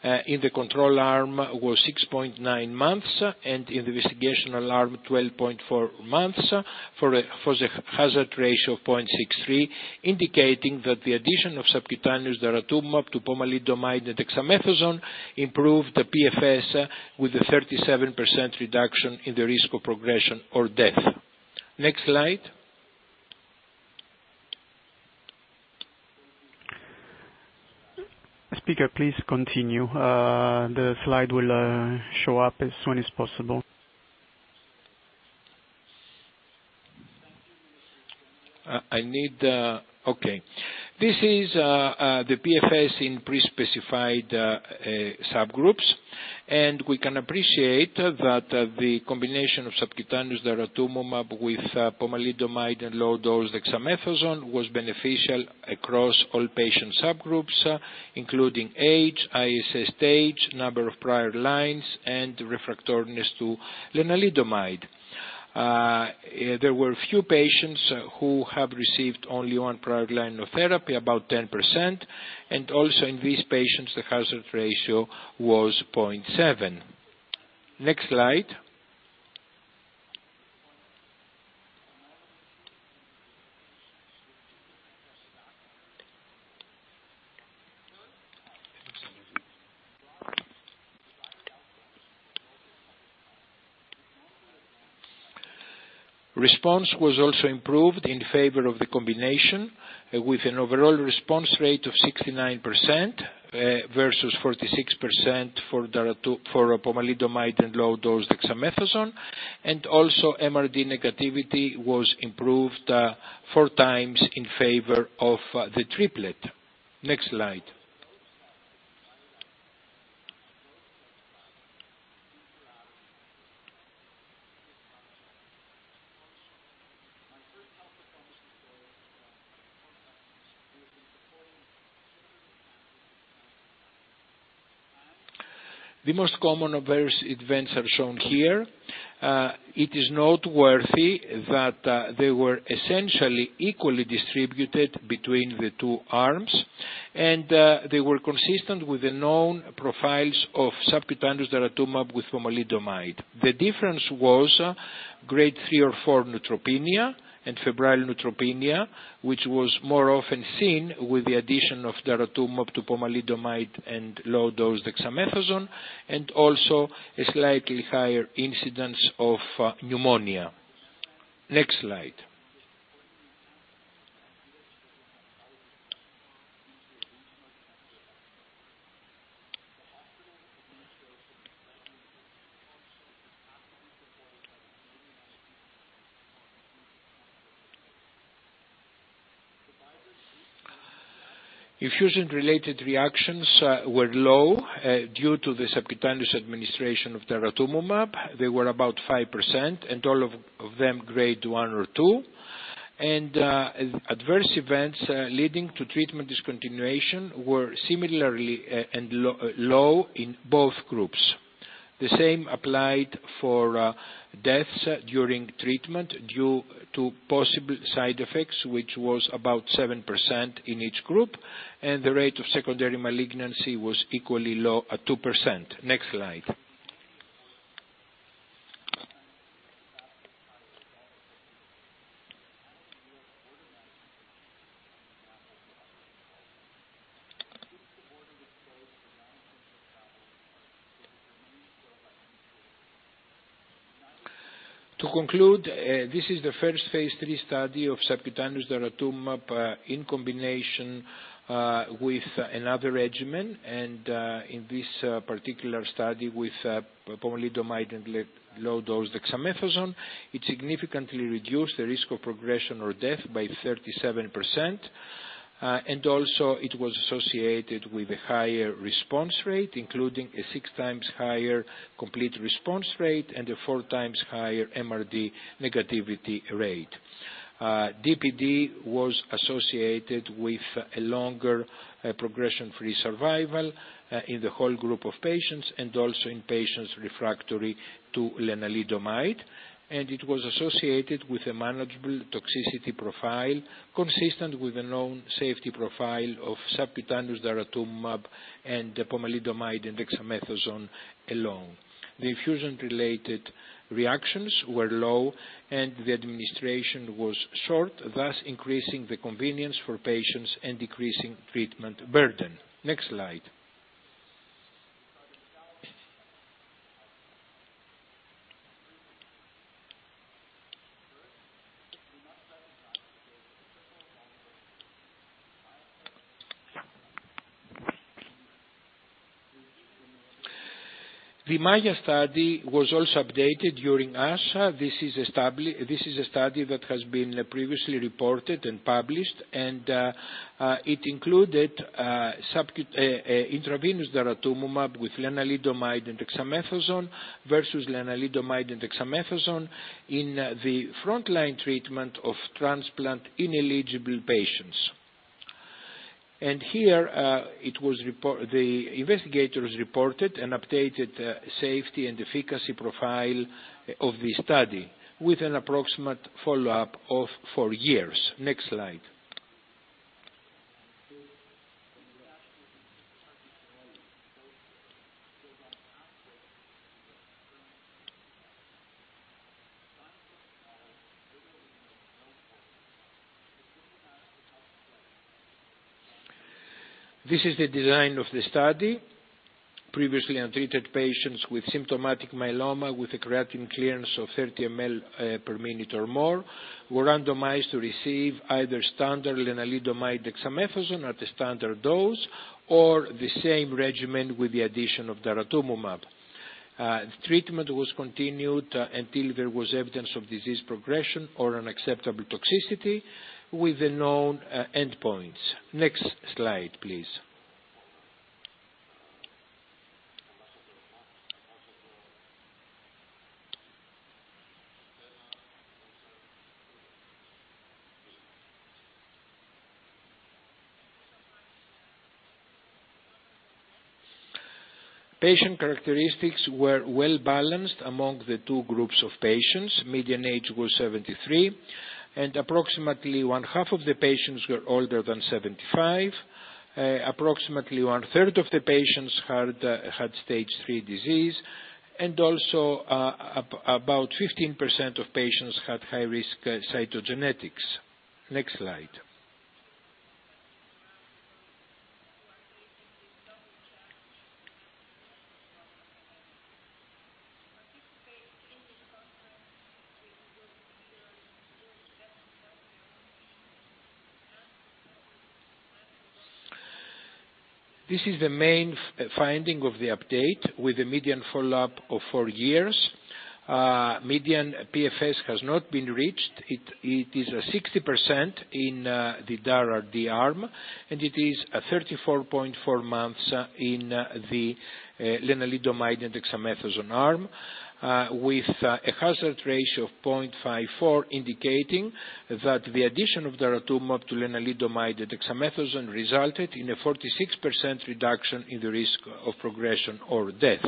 in the control arm was 6.9 months, and in the investigational arm 12.4 months for the hazard ratio of 0.63, indicating that the addition of subcutaneous daratumumab to pomalidomide and dexamethasone improved the PFS with a 37% reduction in the risk of progression or death. Next slide. Speaker, please continue. The slide will show up as soon as possible. Okay. This is the PFS in pre-specified subgroups. We can appreciate that the combination of subcutaneous daratumumab with pomalidomide and low-dose dexamethasone was beneficial across all patient subgroups, including age, ISS stage, number of prior lines, and refractoriness to lenalidomide. There were few patients who have received only 1 prior line of therapy, about 10%, and also in these patients, the hazard ratio was 0.7. Next slide. Response was also improved in favor of the combination, with an overall response rate of 69% versus 46% for pomalidomide and low-dose dexamethasone. Also MRD negativity was improved four times in favor of the triplet. Next slide. The most common adverse events are shown here. It is noteworthy that they were essentially equally distributed between the two arms, and they were consistent with the known profiles of subcutaneous daratumumab with pomalidomide. The difference was grade 3 or 4 neutropenia and febrile neutropenia, which was more often seen with the addition of daratumumab to pomalidomide and low-dose dexamethasone, and also a slightly higher incidence of pneumonia. Next slide. Infusion-related reactions were low due to the subcutaneous administration of daratumumab. They were about 5%, and all of them grade 1 or 2. Adverse events leading to treatment discontinuation were similarly low in both groups. The same applied for deaths during treatment due to possible side effects, which was about 7% in each group, and the rate of secondary malignancy was equally low at 2%. Next slide. To conclude, this is the first phase III study of subcutaneous daratumumab in combination with another regimen, and in this particular study with pomalidomide and low-dose dexamethasone. It significantly reduced the risk of progression or death by 37%, also it was associated with a higher response rate, including a six times higher complete response rate and a four times higher MRD negativity rate. DPd was associated with a longer progression-free survival in the whole group of patients and also in patients refractory to lenalidomide, it was associated with a manageable toxicity profile consistent with the known safety profile of subcutaneous daratumumab and pomalidomide and dexamethasone alone. The infusion-related reactions were low, the administration was short, thus increasing the convenience for patients and decreasing treatment burden. Next slide. The MAIA study was also updated during ASH. This is a study that has been previously reported and published, it included intravenous daratumumab with lenalidomide and dexamethasone versus lenalidomide and dexamethasone in the frontline treatment of transplant-ineligible patients. Here, the investigators reported an updated safety and efficacy profile of the study with an approximate follow-up of 4 years. Next slide. This is the design of the study. Previously untreated patients with symptomatic myeloma with a creatinine clearance of 30 mL per minute or more were randomized to receive either standard lenalidomide dexamethasone at a standard dose or the same regimen with the addition of daratumumab. Treatment was continued until there was evidence of disease progression or unacceptable toxicity with the known endpoints. Next slide, please. Patient characteristics were well-balanced among the two groups of patients. Median age was 73, and approximately one-half of the patients were older than 75. Approximately one third of the patients had stage 3 disease, and also about 15% of patients had high risk cytogenetics. Next slide. This is the main finding of the update with the median follow-up of 4 years. Median PFS has not been reached. It is 60% in the DRd arm, and it is 34.4 months in the lenalidomide and dexamethasone arm with a hazard ratio of 0.54, indicating that the addition of daratumumab to lenalidomide and dexamethasone resulted in a 46% reduction in the risk of progression or death.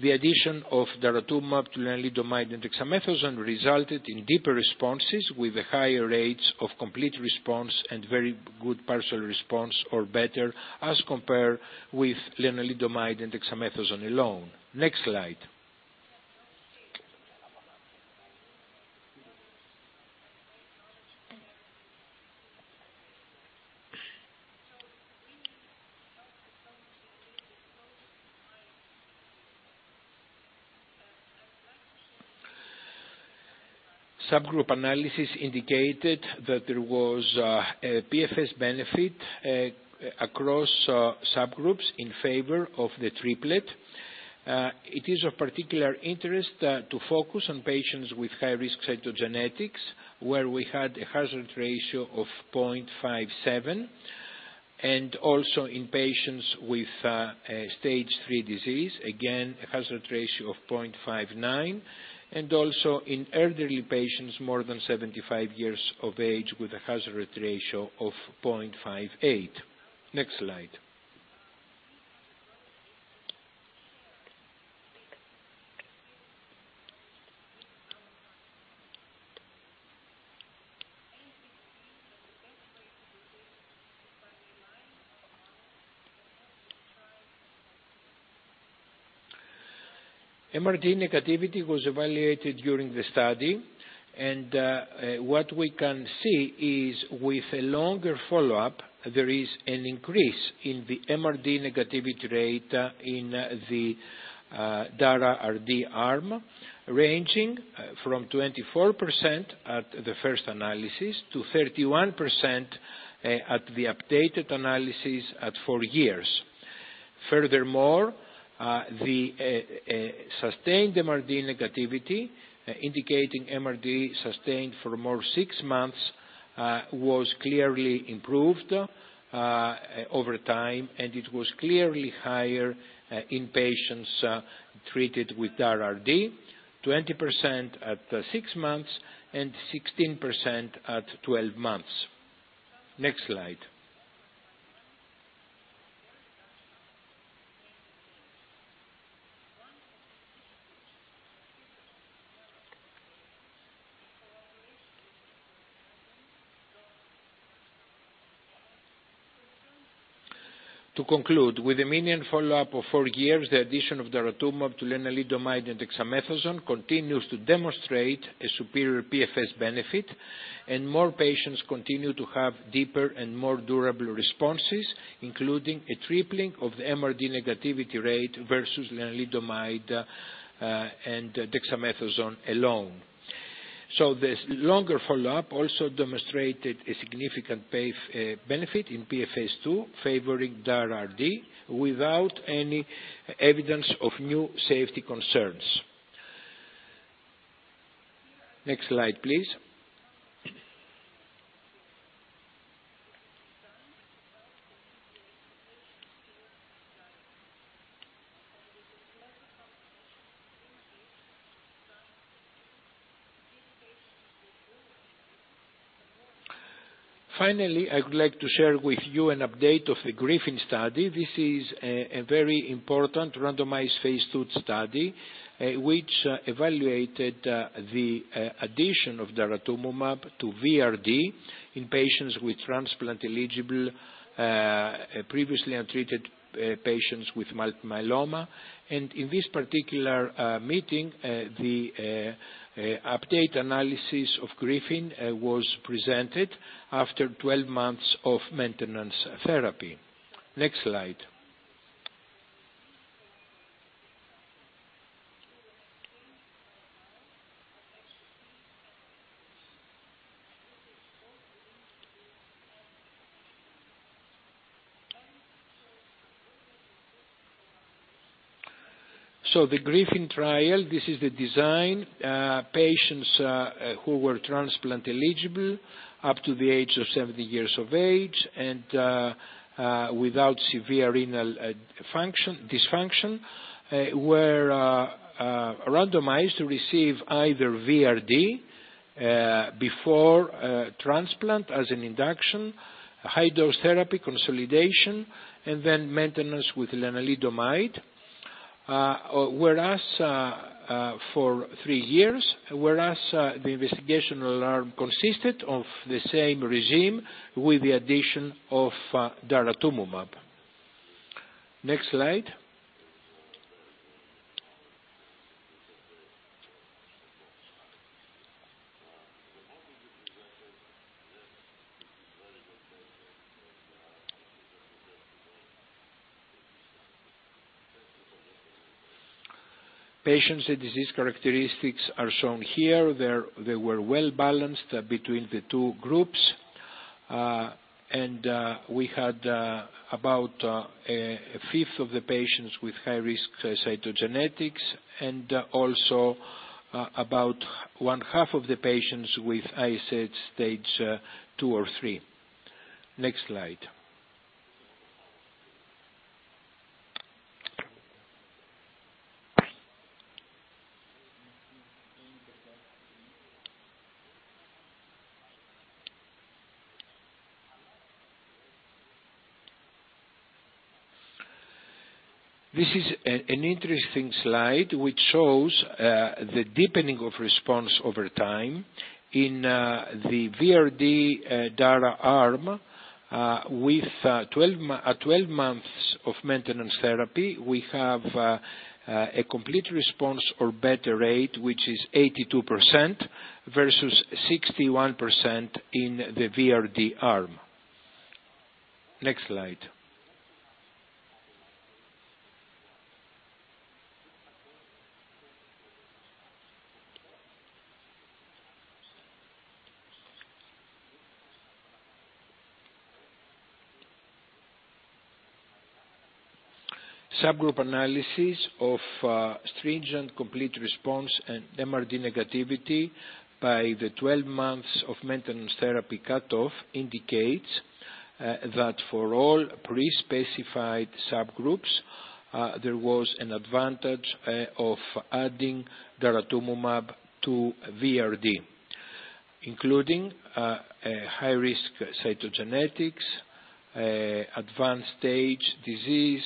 The addition of daratumumab to lenalidomide and dexamethasone resulted in deeper responses with higher rates of complete response and very good partial response or better as compared with lenalidomide and dexamethasone alone. Next slide. Subgroup analysis indicated that there was a PFS benefit across subgroups in favor of the triplet. It is of particular interest to focus on patients with high-risk cytogenetics, where we had a hazard ratio of 0.57, and also in patients with stage 3 disease, again, a hazard ratio of 0.59, and also in elderly patients more than 75 years of age, with a hazard ratio of 0.58. Next slide. MRD negativity was evaluated during the study, and what we can see is with a longer follow-up, there is an increase in the MRD negativity rate in the Dara RD arm, ranging from 24% at the first analysis to 31% at the updated analysis at four years. Furthermore, the sustained MRD negativity, indicating MRD sustained for more than six months was clearly improved over time, and it was clearly higher in patients treated with Dara RD, 20% at six months and 16% at 12 months. Next slide. To conclude, with a median follow-up of 4 years, the addition of daratumumab to lenalidomide and dexamethasone continues to demonstrate a superior PFS benefit, and more patients continue to have deeper and more durable responses, including a tripling of the MRD negativity rate versus lenalidomide and dexamethasone alone. This longer follow-up also demonstrated a significant benefit in PFS2, favoring Dara RD without any evidence of new safety concerns. Next slide, please. Finally, I would like to share with you an update of the GRIFFIN study. This is a very important randomized phase II study which evaluated the addition of daratumumab to VRd in patients with transplant-eligible, previously untreated patients with multiple myeloma. In this particular meeting, the update analysis of GRIFFIN was presented after 12 months of maintenance therapy. Next slide. The GRIFFIN trial, this is the design. Patients who were transplant eligible up to the age of 70 years of age and without severe renal dysfunction were randomized to receive either VRd before transplant as an induction, high-dose therapy consolidation, and then maintenance with lenalidomide. For three years, the investigational arm consisted of the same regime with the addition of daratumumab. Next slide. Patients with disease characteristics are shown here. They were well-balanced between the two groups. We had about a fifth of the patients with high-risk cytogenetics, and also about one half of the patients with ISS stage 2 or 3. Next slide. This is an interesting slide which shows the deepening of response over time in the VRd Dara arm. At 12 months of maintenance therapy, we have a complete response or better rate, which is 82%, versus 61% in the VRd arm. Next slide. Subgroup analysis of stringent complete response and MRD negativity by the 12 months of maintenance therapy cutoff indicates that for all pre-specified subgroups, there was an advantage of adding daratumumab to VRd, including high-risk cytogenetics, advanced stage disease,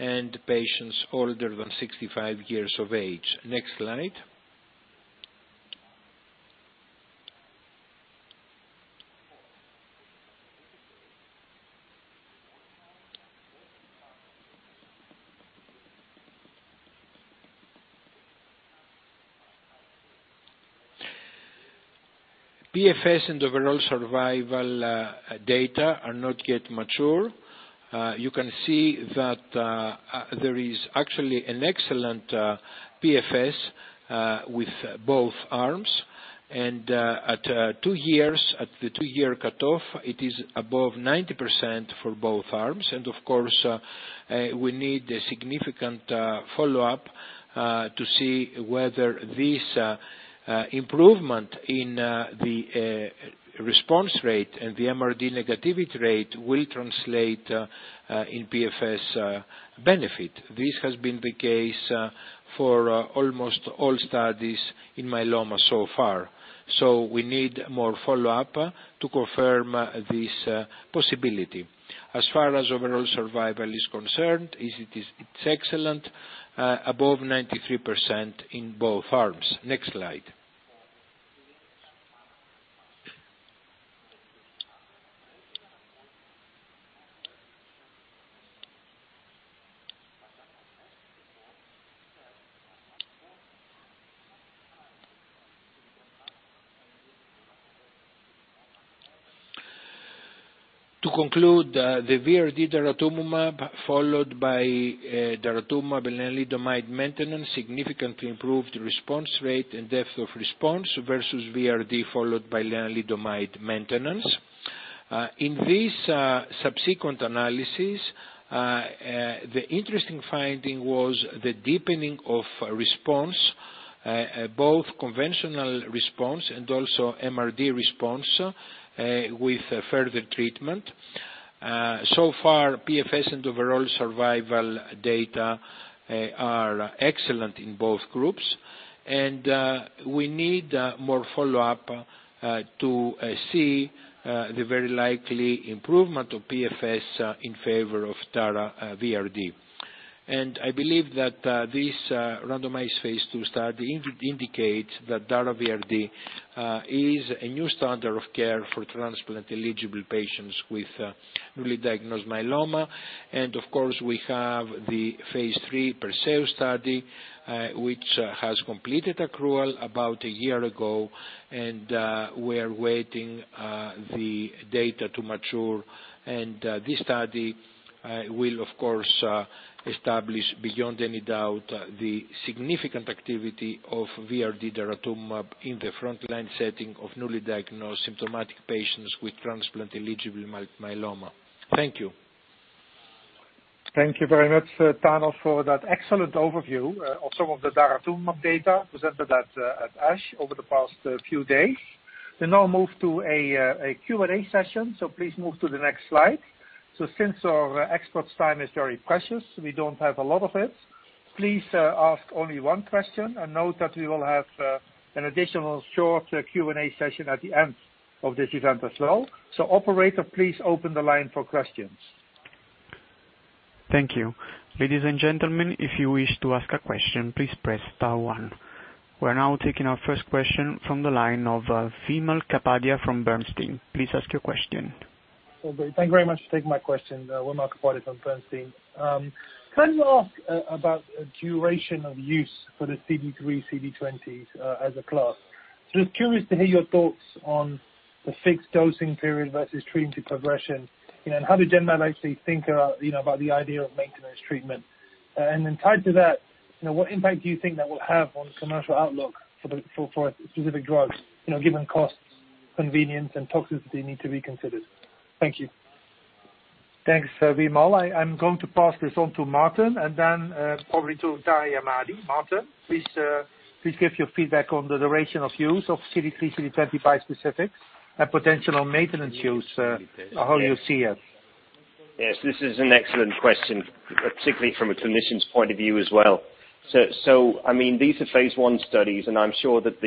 and patients older than 65 years of age. Next slide. PFS and overall survival data are not yet mature. You can see that there is actually an excellent PFS with both arms. At the two-year cutoff, it is above 90% for both arms. Of course, we need a significant follow-up to see whether this improvement in the response rate and the MRD negativity rate will translate in PFS benefit. This has been the case for almost all studies in myeloma so far. We need more follow-up to confirm this possibility. As far as overall survival is concerned, it's excellent, above 93% in both arms. Next slide. To conclude, the Dara VRd followed by daratumumab and lenalidomide maintenance significantly improved response rate and depth of response versus VRd followed by lenalidomide maintenance. In this subsequent analysis, the interesting finding was the deepening of response, both conventional response and also MRD response with further treatment. PFS and overall survival data are excellent in both groups, and we need more follow-up to see the very likely improvement of PFS in favor of Dara VRd. I believe that this randomized phase II study indicates that Dara VRd is a new standard of care for transplant-eligible patients with newly diagnosed myeloma. Of course, we have the phase III Perseus study, which has completed accrual about a year ago, and we're waiting the data to mature. This study will, of course, establish beyond any doubt the significant activity of VRd daratumumab in the frontline setting of newly diagnosed symptomatic patients with transplant-eligible myeloma. Thank you. Thank you very much, Meletios, for that excellent overview of some of the daratumumab data presented at ASH over the past few days. We now move to a Q&A session. Please move to the next slide. Since our experts' time is very precious, we don't have a lot of it. Please ask only one question and note that we will have an additional short Q&A session at the end of this event as well. Operator, please open the line for questions. Thank you. Ladies and gentlemen, if you wish to ask a question, please press star one. We are now taking our first question from the line of Wimal Kapadia from Bernstein. Please ask your question. Thank you very much for taking my question. Wimal Kapadia from Bernstein. Can I ask about duration of use for the CD3, CD20s as a class? Just curious to hear your thoughts on the fixed dosing period versus treatment to progression, how did Genmab actually think about the idea of maintenance treatment. Tied to that, what impact do you think that will have on commercial outlook for specific drugs, given costs, convenience, and toxicity need to be considered. Thank you. Thanks, Wimal. I'm going to pass this on to Martin, and then probably to Ahmadi. Martin, please give your feedback on the duration of use of CD3, CD20 specifics and potential maintenance use, how you see it. Yes, this is an excellent question, particularly from a clinician's point of view as well. These are phase I studies, and I'm sure that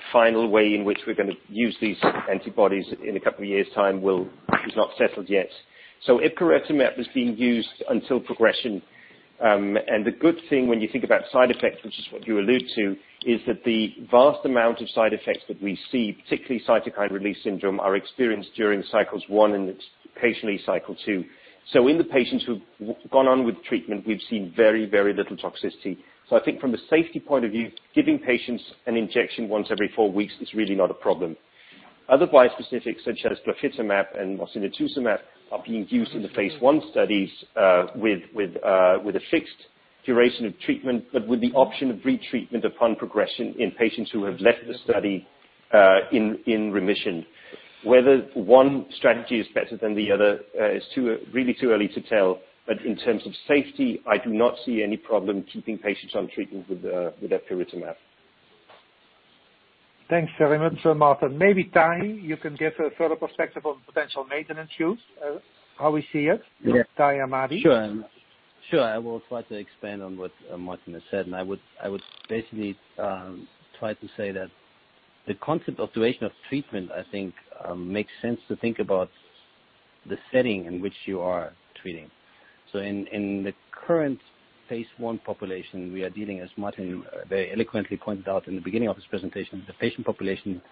the final way in which we're going to use these antibodies in a couple of years' time is not settled yet. Epcoritamab is being used until progression. The good thing when you think about side effects, which is what you allude to, is that the vast amount of side effects that we see, particularly cytokine release syndrome, are experienced during cycles 1 and occasionally cycle 2. In the patients who've gone on with treatment, we've seen very little toxicity. I think from a safety point of view, giving patients an injection once every four weeks is really not a problem. Otherwise bispecifics such as glofitamab and mosunetuzumab are being used in the phase I studies with a fixed duration of treatment, but with the option of retreatment upon progression in patients who have left the study in remission. Whether one strategy is better than the other is really too early to tell. In terms of safety, I do not see any problem keeping patients on treatment with epcoritamab. Thanks very much, Martin. Maybe, Tahamtan, you can give a further perspective on potential maintenance use, how we see it. Yeah. Tahamtan Ahmadi. Sure. I will try to expand on what Martin has said, and I would basically try to say that the concept of duration of treatment, I think, makes sense to think about the setting in which you are treating. In the current phase I population, we are dealing, as Martin very eloquently pointed out in the beginning of his presentation, the patient population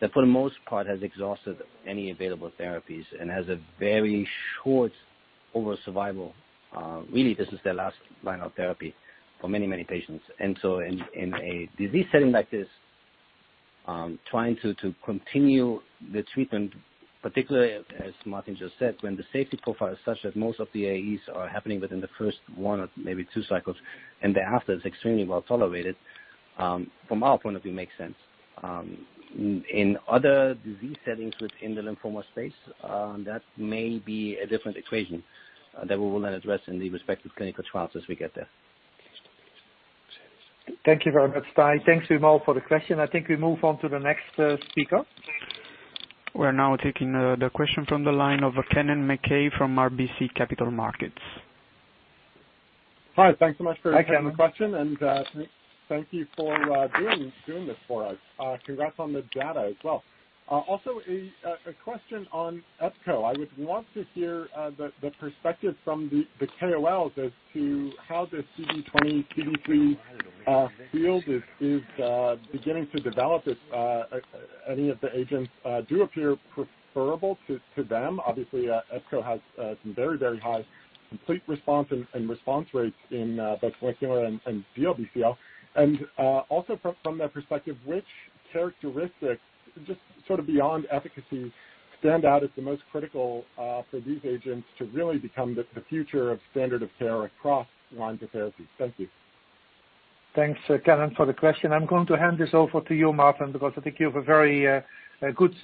that for the most part has exhausted any available therapies and has a very short overall survival. Really, this is their last line of therapy for many patients. In a disease setting like this, trying to continue the treatment, particularly as Martin just said, when the safety profile is such that most of the AEs are happening within the first one or maybe 2 cycles, and thereafter it's extremely well-tolerated, from our point of view, makes sense. In other disease settings within the lymphoma space, that may be a different equation that we will then address in the respective clinical trials as we get there. Thank you very much, Thamtan. Thanks, Wimal, for the question. I think we move on to the next speaker. We're now taking the question from the line of Kennen MacKay from RBC Capital Markets. Hi, thanks so much. Hi, Kennen. taking the question, and thank you for doing this for us. Congrats on the data as well. A question on EPCO. I would want to hear the perspective from the KOLs as to how this CD20, CD3 field is beginning to develop, if any of the agents do appear preferable to them. Obviously, EPCO has some very high complete response and response rates in both follicular and DLBCL. From that perspective, which characteristics, just sort of beyond efficacy, stand out as the most critical for these agents to really become the future of standard of care across line of therapies? Thank you. Thanks, Kennen, for the question. I'm going to hand this over to you, Martin, because I think you have a very good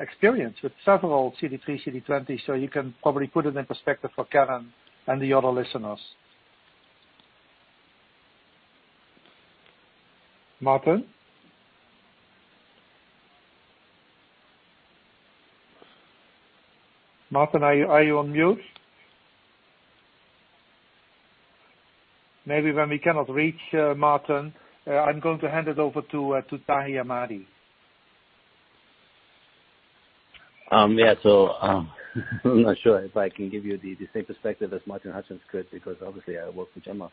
experience with several CD3, CD20, so you can probably put it in perspective for Kennen and the other listeners. Martin? Martin, are you on mute? Maybe when we cannot reach Martin, I'm going to hand it over to Tahamtan Ahmadi. Yeah. I'm not sure if I can give you the same perspective as Martin Hutchings could, because obviously I work for Genmab.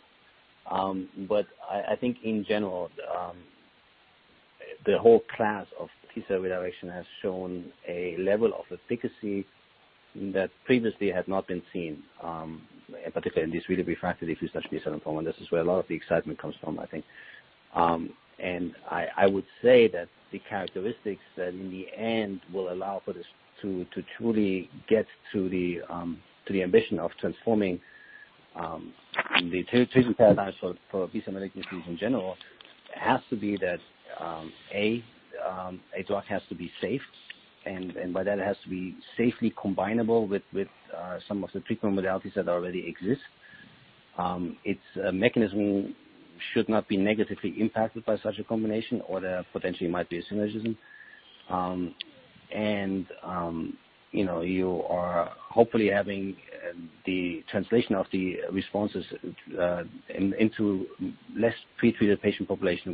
I think in general, the whole class of T-cell redirection has shown a level of efficacy that previously had not been seen, particularly in this really refractory disease such as lymphoma. This is where a lot of the excitement comes from, I think. I would say that the characteristics that in the end will allow for this to truly get to the ambition of transforming the treatment paradigm for B-cell malignancies in general, has to be that, A, a drug has to be safe, and by that it has to be safely combinable with some of the treatment modalities that already exist. Its mechanism should not be negatively impacted by such a combination, there potentially might be a synergism. You are hopefully having the translation of the responses into less pre-treated patient population.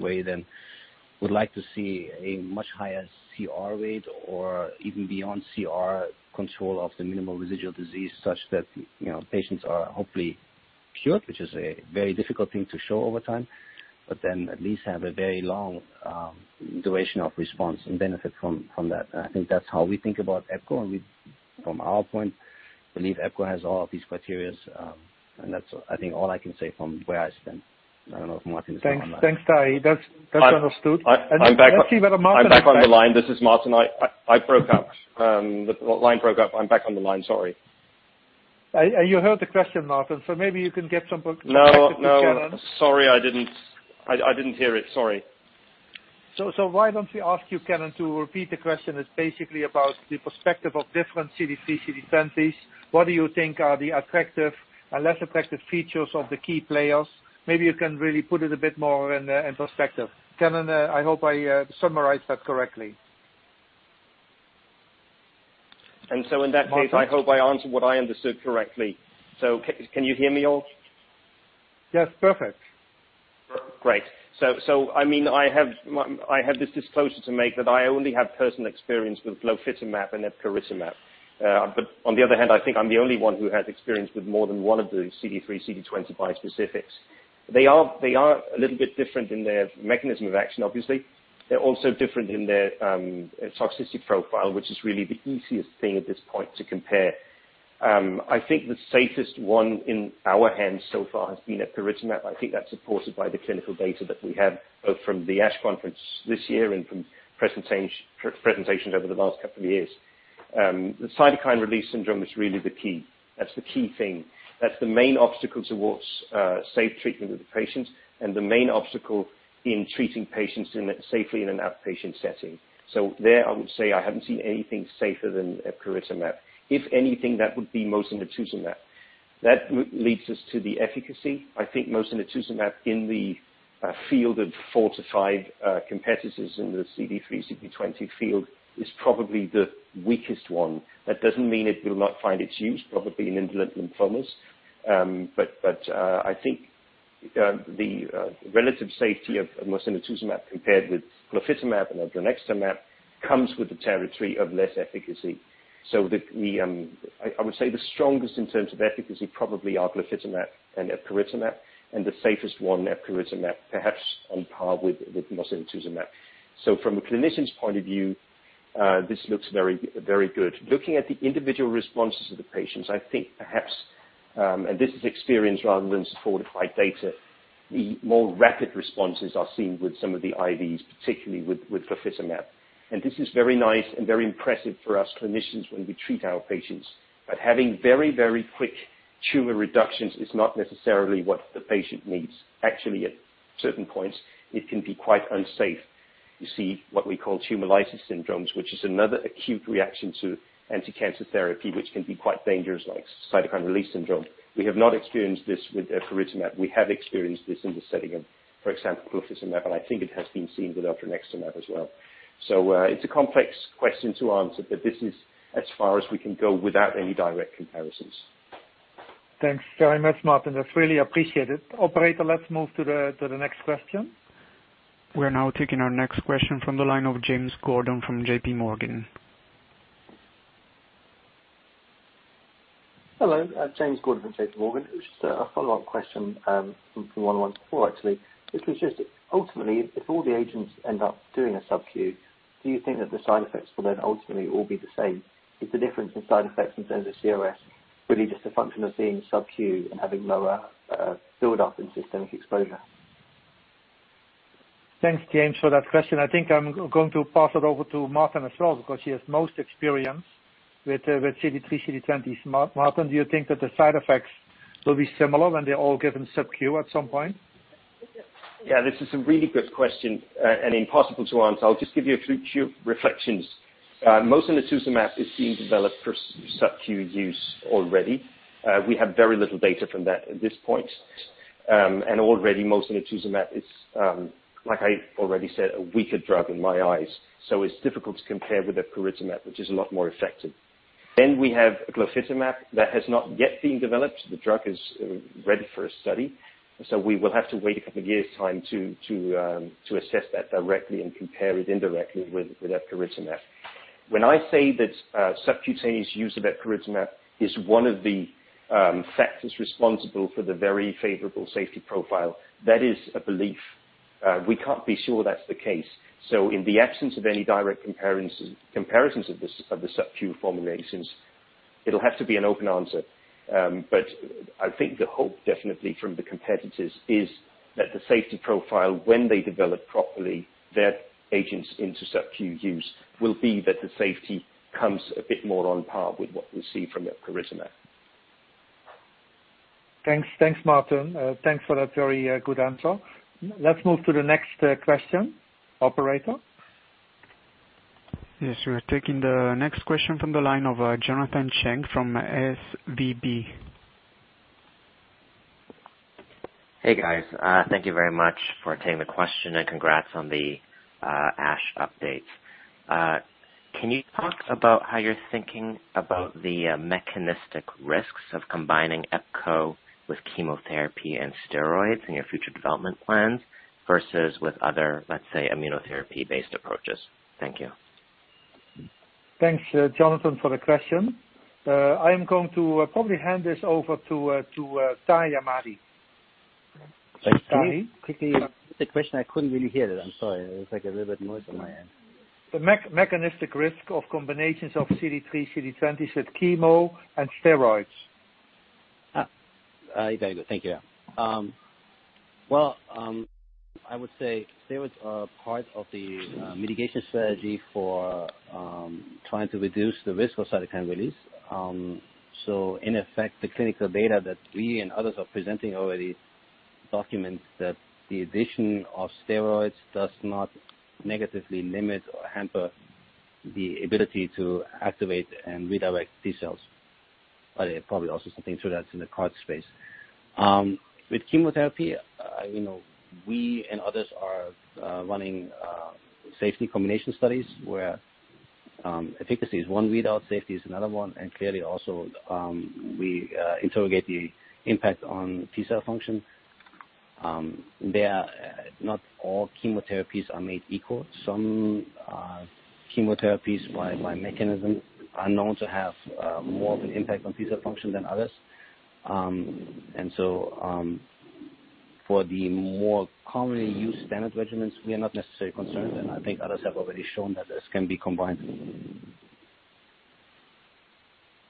We'd like to see a much higher CR rate or even beyond CR control of the minimal residual disease such that patients are hopefully cured, which is a very difficult thing to show over time, but then at least have a very long duration of response and benefit from that. I think that's how we think about EPCO, and from our point, believe EPCO has all of these criteria. That's, I think, all I can say from where I stand. I don't know if Martin Hutchings is online. Thanks, Tahamtan. That's understood. I'm back on the line. This is Martin. I broke up. The line broke up. I'm back on the line. Sorry. You heard the question, Martin, so maybe you can get some perspective. No. On Kennen. Sorry, I didn't hear it. Sorry. Why don't we ask you, Kennen, to repeat the question? It's basically about the perspective of different CD3, CD20s. What do you think are the attractive and less attractive features of the key players? Maybe you can really put it a bit more in perspective. Kennen, I hope I summarized that correctly. And so in that case- Martin? I hope I answered what I understood correctly. Can you hear me all? Yes, perfect. Great. I have this disclosure to make that I only have personal experience with glofitamab and epcoritamab. On the other hand, I think I'm the only one who has experience with more than one of the CD3, CD20 bispecifics. They are a little bit different in their mechanism of action, obviously. They're also different in their toxicity profile, which is really the easiest thing at this point to compare. I think the safest one in our hands so far has been epcoritamab. I think that's supported by the clinical data that we have, both from the ASH this year and from presentations over the last couple of years. The cytokine release syndrome is really the key. That's the key thing. That's the main obstacle towards safe treatment of the patients and the main obstacle in treating patients safely in an outpatient setting. There I would say I haven't seen anything safer than epcoritamab. If anything, that would be mosunetuzumab. That leads us to the efficacy. I think mosunetuzumab in the field of four to five competitors in the CD3, CD20 field is probably the weakest one. That doesn't mean it will not find its use, probably in indolent lymphomas. I think the relative safety of mosunetuzumab compared with glofitamab and elranatamab comes with the territory of less efficacy. I would say the strongest in terms of efficacy probably are glofitamab and epcoritamab, and the safest one, epcoritamab, perhaps on par with mosunetuzumab. From a clinician's point of view, this looks very good. Looking at the individual responses of the patients, I think perhaps, and this is experience rather than solidified data, the more rapid responses are seen with some of the IVs, particularly with glofitamab. This is very nice and very impressive for us clinicians when we treat our patients. Having very quick tumor reductions is not necessarily what the patient needs. Actually, at certain points, it can be quite unsafe. You see what we call tumor lysis syndromes, which is another acute reaction to anti-cancer therapy, which can be quite dangerous, like cytokine release syndrome. We have not experienced this with epcoritamab. We have experienced this in the setting of, for example, glofitamab, and I think it has been seen with elranatamab as well. It's a complex question to answer, but this is as far as we can go without any direct comparisons. Thanks very much, Martin. That's really appreciated. Operator, let's move to the next question. We're now taking our next question from the line of James Gordon from JP Morgan. Hello, James Gordon from JP Morgan. Just a follow-up question from one on four, actually, which was just ultimately, if all the agents end up doing a sub-Q, do you think that the side effects will then ultimately all be the same? Is the difference in side effects in terms of CRS really just a function of being sub-Q and having lower build-up in systemic exposure? Thanks, James, for that question. I think I'm going to pass it over to Martin as well because he has most experience with CD3, CD20s. Martin, do you think that the side effects will be similar when they're all given sub-Q at some point? Yeah, this is a really good question and impossible to answer. I'll just give you a few reflections. Mosunetuzumab is being developed for sub-Q use already. We have very little data from that at this point. Already mosunetuzumab is, like I already said, a weaker drug in my eyes, so it's difficult to compare with epcoritamab, which is a lot more effective. We have glofitamab that has not yet been developed. The drug is ready for a study, so we will have to wait a couple of years' time to assess that directly and compare it indirectly with epcoritamab. When I say that subcutaneous use of epcoritamab is one of the factors responsible for the very favorable safety profile, that is a belief. We can't be sure that's the case. In the absence of any direct comparisons of the sub-Q formulations, it'll have to be an open answer. I think the hope, definitely from the competitors, is that the safety profile, when they develop properly, their agents into sub-Q use, will be that the safety comes a bit more on par with what we see from epcoritamab. Thanks. Martin. Thanks for that very good answer. Let's move to the next question. Operator? Yes. We are taking the next question from the line of Jonathan Chang from SVB. Hey, guys. Thank you very much for taking the question and congrats on the ASH updates. Can you talk about how you're thinking about the mechanistic risks of combining EPCO with chemotherapy and steroids in your future development plans versus with other, let's say, immunotherapy-based approaches? Thank you. Thanks, Jonathan, for the question. I am going to probably hand this over to Tahamtan Ahmadi. Thanks. Can you quickly repeat the question? I couldn't really hear it. I'm sorry. There was a little bit of noise on my end. The mechanistic risk of combinations of CD3, CD20 with chemo and steroids. Very good. Thank you. Well, I would say steroids are part of the mitigation strategy for trying to reduce the risk of cytokine release. In effect, the clinical data that we and others are presenting already documents that the addition of steroids does not negatively limit or hamper the ability to activate and redirect T cells. Probably also something to that in the CAR T space. With chemotherapy, we and others are running safety combination studies where efficacy is one readout, safety is another one, and clearly also, we interrogate the impact on T cell function. Not all chemotherapies are made equal. Some chemotherapies by mechanism are known to have more of an impact on T cell function than others. For the more commonly used standard regimens, we are not necessarily concerned, and I think others have already shown that this can be combined.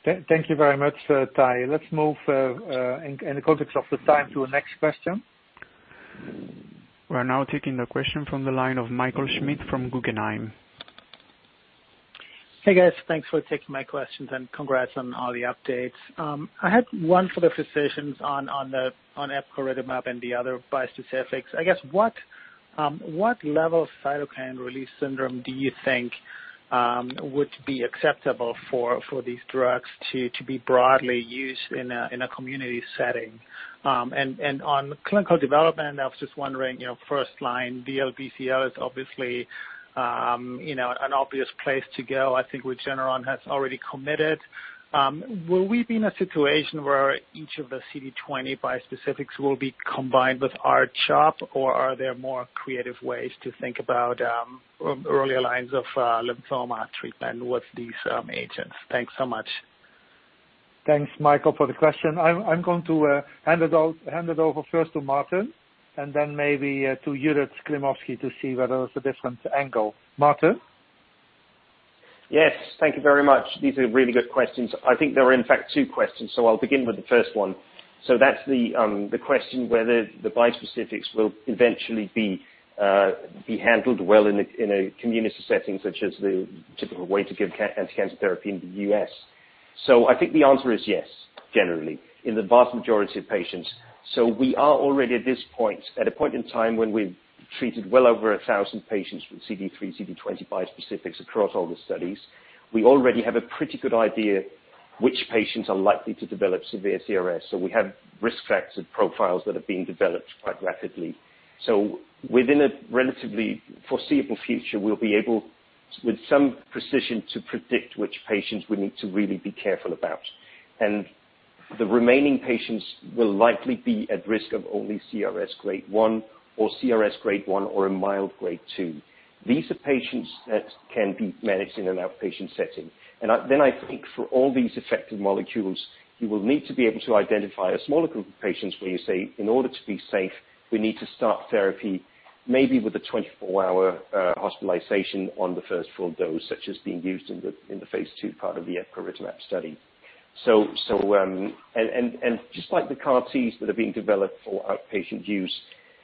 Thank you very much, Tahamtan. Let's move in the context of the time to the next question. We're now taking the question from the line of Michael Schmidt from Guggenheim. Hey, guys. Thanks for taking my questions and congrats on all the updates. I had one for the physicians on epcoritamab and the other bispecifics. I guess, what level of cytokine release syndrome do you think would be acceptable for these drugs to be broadly used in a community setting? On clinical development, I was just wondering, first-line DLBCL is obviously an obvious place to go, I think which Genmab has already committed. Will we be in a situation where each of the CD20 bispecifics will be combined with R-CHOP, or are there more creative ways to think about earlier lines of lymphoma treatment with these agents? Thanks so much. Thanks, Michael, for the question. I'm going to hand it over first to Martin, and then maybe to Judith Klimovsky to see whether there's a different angle. Martin? Yes. Thank you very much. These are really good questions. I think there are in fact two questions. I'll begin with the first one. That's the question whether the bispecifics will eventually be handled well in a community setting, such as the typical way to give anti-cancer therapy in the U.S. I think the answer is yes, generally, in the vast majority of patients. We are already at this point, at a point in time when we've treated well over 1,000 patients with CD3, CD20 bispecifics across all the studies. We already have a pretty good idea which patients are likely to develop severe CRS. We have risk factors and profiles that are being developed quite rapidly. Within a relatively foreseeable future, we'll be able, with some precision, to predict which patients we need to really be careful about. The remaining patients will likely be at risk of only CRS Grade 1 or a mild Grade 2. These are patients that can be managed in an outpatient setting. Then I think for all these effective molecules, you will need to be able to identify a smaller group of patients where you say, in order to be safe, we need to start therapy maybe with a 24-hour hospitalization on the first full dose, such as being used in the phase II part of the epcoritamab study. Just like the CAR T that are being developed for outpatient use,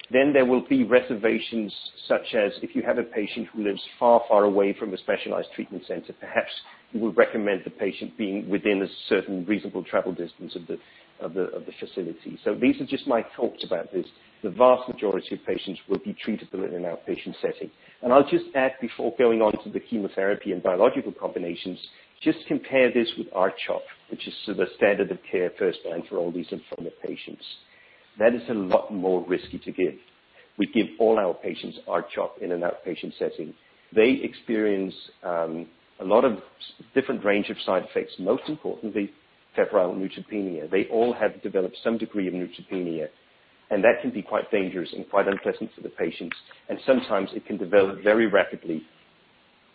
then there will be reservations such as if you have a patient who lives far away from a specialized treatment center, perhaps you would recommend the patient being within a certain reasonable travel distance of the facility. These are just my thoughts about this. The vast majority of patients will be treated in an outpatient setting. I'll just add before going on to the chemotherapy and biological combinations, just compare this with R-CHOP, which is the standard of care first-line for all these lymphoma patients. That is a lot more risky to give. We give all our patients R-CHOP in an outpatient setting. They experience a lot of different range of side effects, most importantly, febrile neutropenia. They all have developed some degree of neutropenia, and that can be quite dangerous and quite unpleasant for the patients, and sometimes it can develop very rapidly.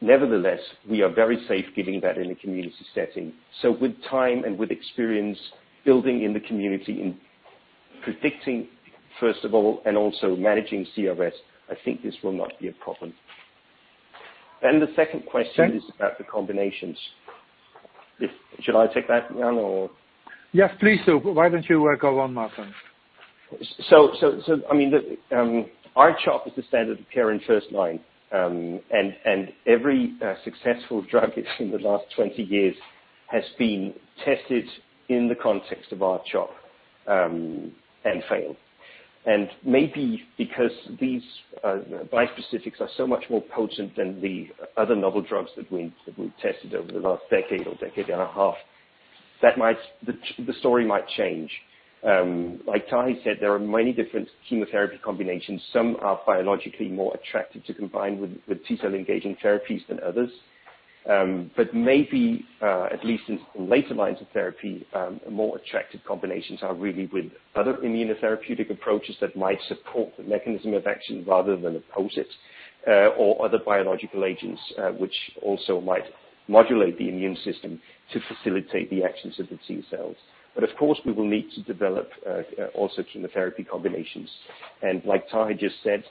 Nevertheless, we are very safe giving that in a community setting. With time and with experience building in the community in predicting, first of all, and also managing CRS, I think this will not be a problem. The second question is about the combinations. Should I take that one or? Yes, please do. Why don't you go on, Martin? R-CHOP is the standard of care in first-line. Every successful drug in the last 20 years has been tested in the context of R-CHOP, and failed. Maybe because these bispecifics are so much more potent than the other novel drugs that we've tested over the last decade or decade and a half, the story might change. Like Taha said, there are many different chemotherapy combinations. Some are biologically more attractive to combine with T-cell-engaging therapies than others. Maybe, at least in later lines of therapy, more attractive combinations are really with other immunotherapeutic approaches that might support the mechanism of action rather than oppose it, or other biological agents, which also might modulate the immune system to facilitate the actions of the T-cells. Of course, we will need to develop also chemotherapy combinations. Like Taha just said,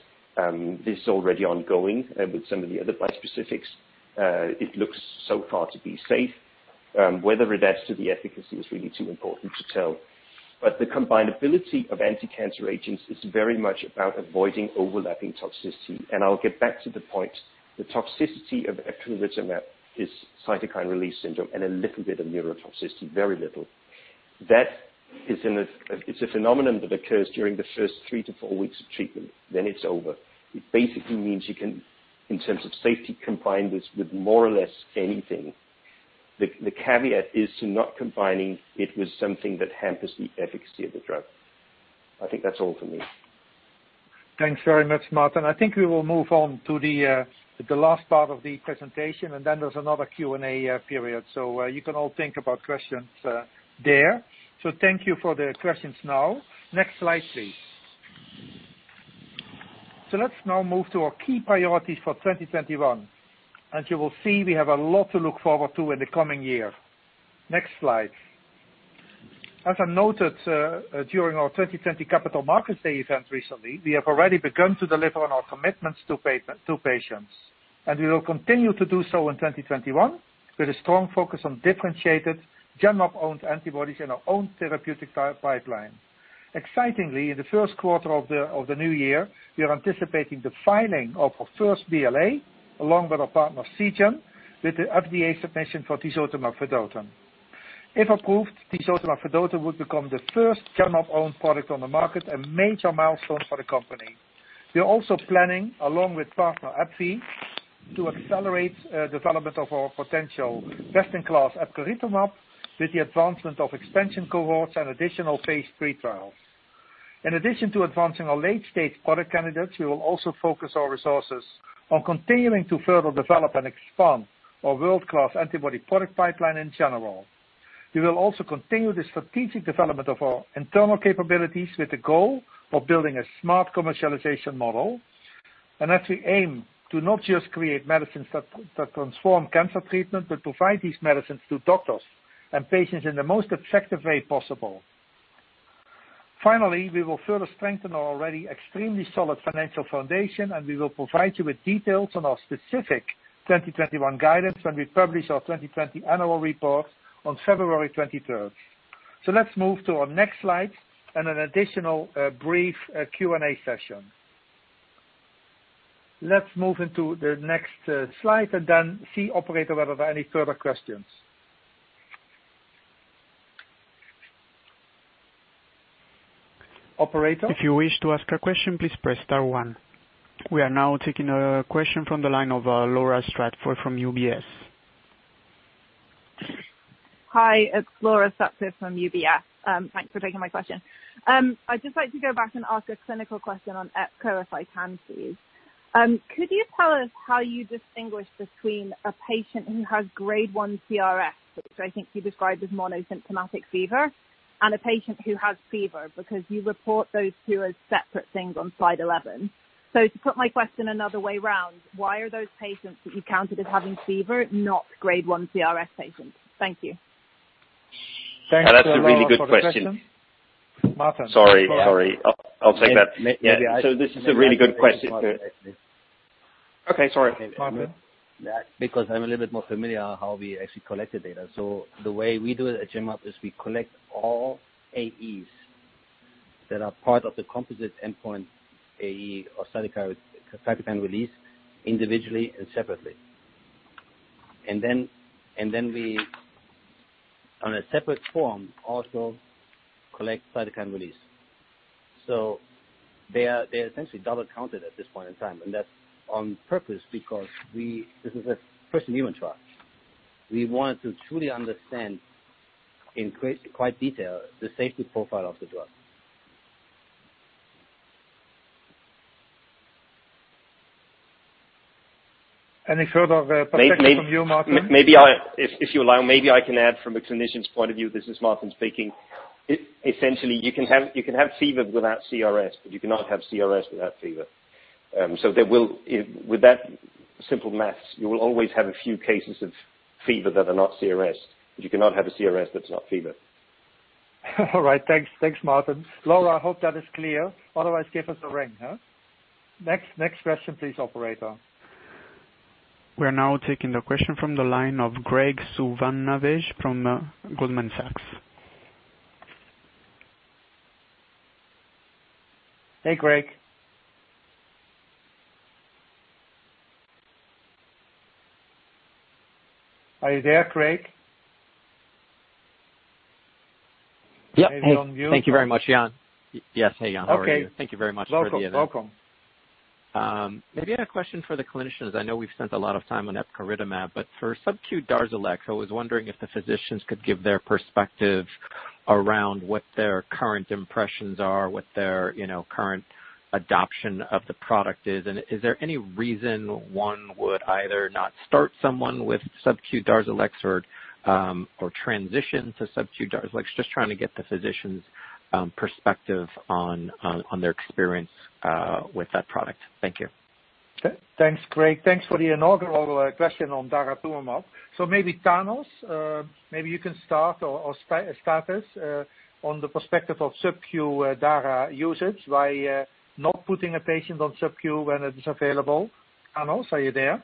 this is already ongoing with some of the other bispecifics. It looks so far to be safe. Whether it adds to the efficacy is really too important to tell. The combinability of anticancer agents is very much about avoiding overlapping toxicity. I'll get back to the point, the toxicity of epcoritamab is cytokine release syndrome and a little bit of neurotoxicity, very little. That is a phenomenon that occurs during the first three to four weeks of treatment, then it's over. It basically means you can, in terms of safety, combine this with more or less anything. The caveat is to not combining it with something that hampers the efficacy of the drug. I think that's all for me. Thanks very much, Martin. I think we will move on to the last part of the presentation, and then there's another Q&A period. You can all think about questions there. Thank you for the questions now. Next slide, please. Let's now move to our key priorities for 2021. As you will see, we have a lot to look forward to in the coming year. Next slide. As I noted during our 2020 Capital Markets Day event recently, we have already begun to deliver on our commitments to patients, and we will continue to do so in 2021 with a strong focus on differentiated Genmab-owned antibodies and our own therapeutic trial pipeline. Excitingly, in the first quarter of the new year, we are anticipating the filing of our first BLA, along with our partner Seagen, with the FDA submission for tisotumab vedotin. If approved, tisotumab vedotin would become the first Genmab-owned product on the market, a major milestone for the company. We are also planning, along with partner AbbVie, to accelerate development of our potential best-in-class epcoritamab with the advancement of expansion cohorts and additional phase III trials. In addition to advancing our late-stage product candidates, we will also focus our resources on continuing to further develop and expand our world-class antibody product pipeline in general. We will also continue the strategic development of our internal capabilities with the goal of building a smart commercialization model. As we aim to not just create medicines that transform cancer treatment, but provide these medicines to doctors and patients in the most effective way possible. Finally, we will further strengthen our already extremely solid financial foundation, and we will provide you with details on our specific 2021 guidance when we publish our 2020 annual report on February 23rd. Let's move to our next slide and an additional brief Q&A session. Let's move into the next slide, and then see, operator, whether there are any further questions. Operator? We are now taking a question from the line of Laura Cha from UBS. Hi, it's Laura Cha from UBS. Thanks for taking my question. I'd just like to go back and ask a clinical question on EPCO if I can, please. Could you tell us how you distinguish between a patient who has Grade 1 CRS, which I think you described as monosymptomatic fever, and a patient who has fever? You report those two as separate things on slide 11. To put my question another way around, why are those patients that you counted as having fever not Grade 1 CRS patients? Thank you. Thanks, Laura, for the question. That's a really good question. Martin. Sorry. I'll take that. Maybe I- This is a really good question. Okay, sorry. Martin. I'm a little bit more familiar how we actually collect the data. The way we do it at Genmab is we collect all AEs that are part of the composite endpoint AE or cytokine release individually and separately. Then we, on a separate form, also collect cytokine release. They're essentially double-counted at this point in time, and that's on purpose because this is a first-in-human trial. We want to truly understand in quite detail the safety profile of the drug. Any further perspective from you, Martin? If you allow, maybe I can add from a clinician's point of view. This is Martin speaking. You can have fever without CRS, you cannot have CRS without fever. With that simple math, you will always have a few cases of fever that are not CRS, you cannot have a CRS that's not fever. All right. Thanks, Martin. Laura, I hope that is clear. Otherwise, give us a ring. Next question, please, operator. We are now taking the question from the line of Graig Suvannavejh from Goldman Sachs. Hey, Graig. Are you there, Graig? Yep. Thank you very much, Jan. Yes. Hey, Jan. How are you? Okay. Thank you very much for the event. Welcome. Maybe I had a question for the clinicians. I know we've spent a lot of time on epcoritamab, for subQ DARZALEX, I was wondering if the physicians could give their perspective around what their current impressions are, what their current adoption of the product is, and is there any reason one would either not start someone with subQ DARZALEX or transition to subQ DARZALEX? Just trying to get the physician's perspective on their experience with that product. Thank you. Okay. Thanks, Graig. Thanks for the inaugural question on daratumumab. Maybe, Thanos, maybe you can start or, Stathis, on the perspective of subQ dara usage, why not putting a patient on subQ when it is available. Thanos, are you there?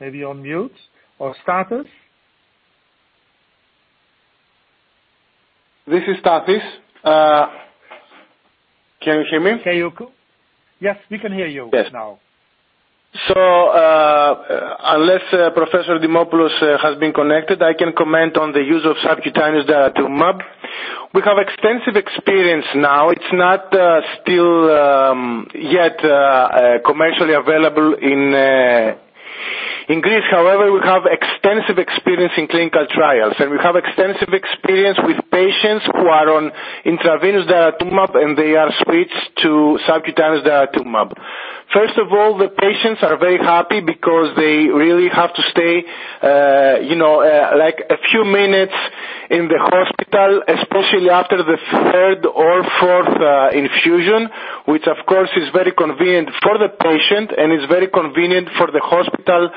Maybe on mute. Stathis? This is Stathis. Can you hear me? Yes, we can hear you now. Yes. Unless Professor Dimopoulos has been connected, I can comment on the use of subcutaneous daratumumab. We have extensive experience now. It's not still yet commercially available in Greece. We have extensive experience in clinical trials, and we have extensive experience with patients who are on intravenous daratumumab, and they are switched to subcutaneous daratumumab. First of all, the patients are very happy because they really have to stay a few minutes in the hospital, especially after the third or fourth infusion, which, of course, is very convenient for the patient and is very convenient for the hospital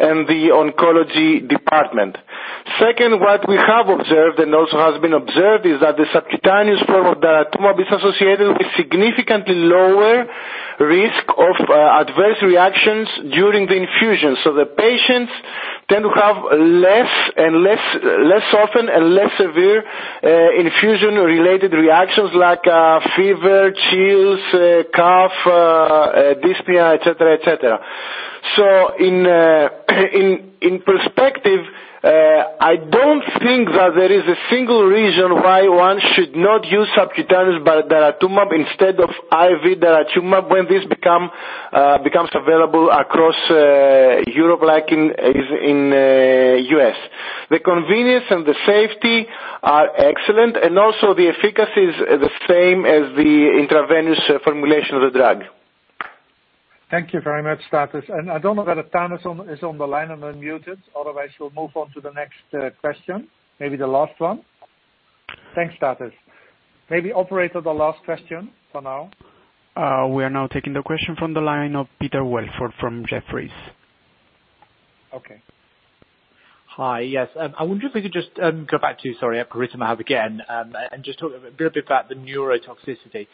and the oncology department. Second, what we have observed, and also has been observed, is that the subcutaneous form of daratumumab is associated with significantly lower risk of adverse reactions during the infusion. The patients tend to have less often and less severe infusion-related reactions like fever, chills, cough, dyspnea, et cetera. In perspective, I don't think that there is a single reason why one should not use subcutaneous daratumumab instead of IV daratumumab when this becomes available across Europe like in U.S. The convenience and the safety are excellent, and also the efficacy is the same as the intravenous formulation of the drug. Thank you very much, Stathis. I don't know whether Thanos is on the line and unmuted. Otherwise, we'll move on to the next question, maybe the last one. Thanks, Stathis. Maybe operator, the last question for now. We are now taking the question from the line of Peter Welford from Jefferies. Okay. Hi. Yes. I wonder if we could just go back to, sorry, epcoritamab again, and just talk a little bit about the neurotoxicity.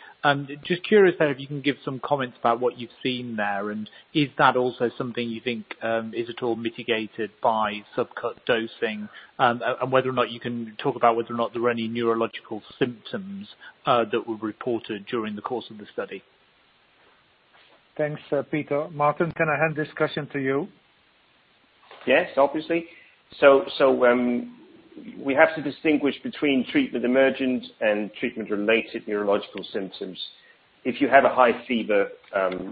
Just curious there if you can give some comments about what you've seen there, and is that also something you think is at all mitigated by subcut dosing, and whether or not you can talk about whether or not there were any neurological symptoms that were reported during the course of the study. Thanks, Peter. Martin, can I hand this question to you? Yes, obviously. We have to distinguish between treatment-emergent and treatment-related neurological symptoms. If you have a high fever,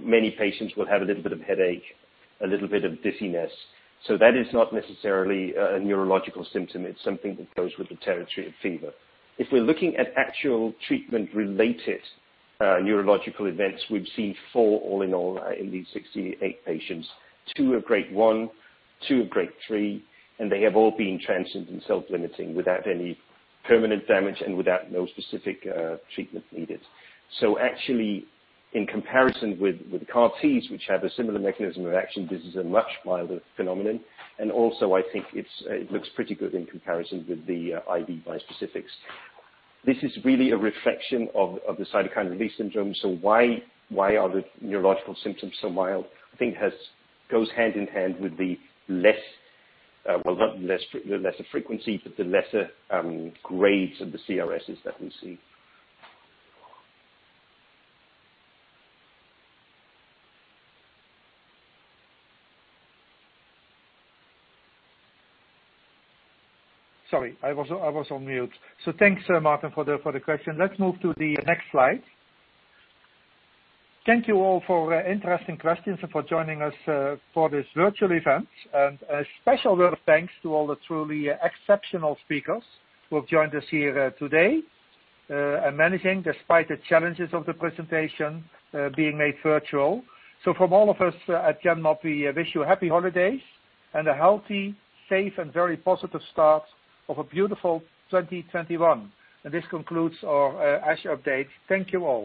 many patients will have a little bit of headache, a little bit of dizziness. That is not necessarily a neurological symptom. It's something that goes with the territory of fever. If we're looking at actual treatment-related neurological events, we've seen 4 all in all in these 68 patients, 2 are Grade 1, 2 are Grade 3, and they have all been transient and self-limiting without any permanent damage and without no specific treatment needed. Actually, in comparison with the CAR T, which have a similar mechanism of action, this is a much milder phenomenon. Also, I think it looks pretty good in comparison with the IV bispecifics. This is really a reflection of the cytokine release syndrome. Why are the neurological symptoms so mild? I think goes hand in hand with the less, well, not lesser frequency, but the lesser grades of the CRS that we see. Sorry, I was on mute. Thanks, Martin, for the question. Let's move to the next slide. Thank you all for interesting questions and for joining us for this virtual event. A special word of thanks to all the truly exceptional speakers who have joined us here today, and managing despite the challenges of the presentation being made virtual. From all of us at Genmab, we wish you happy holidays and a healthy, safe, and very positive start of a beautiful 2021. This concludes our ASH update. Thank you all.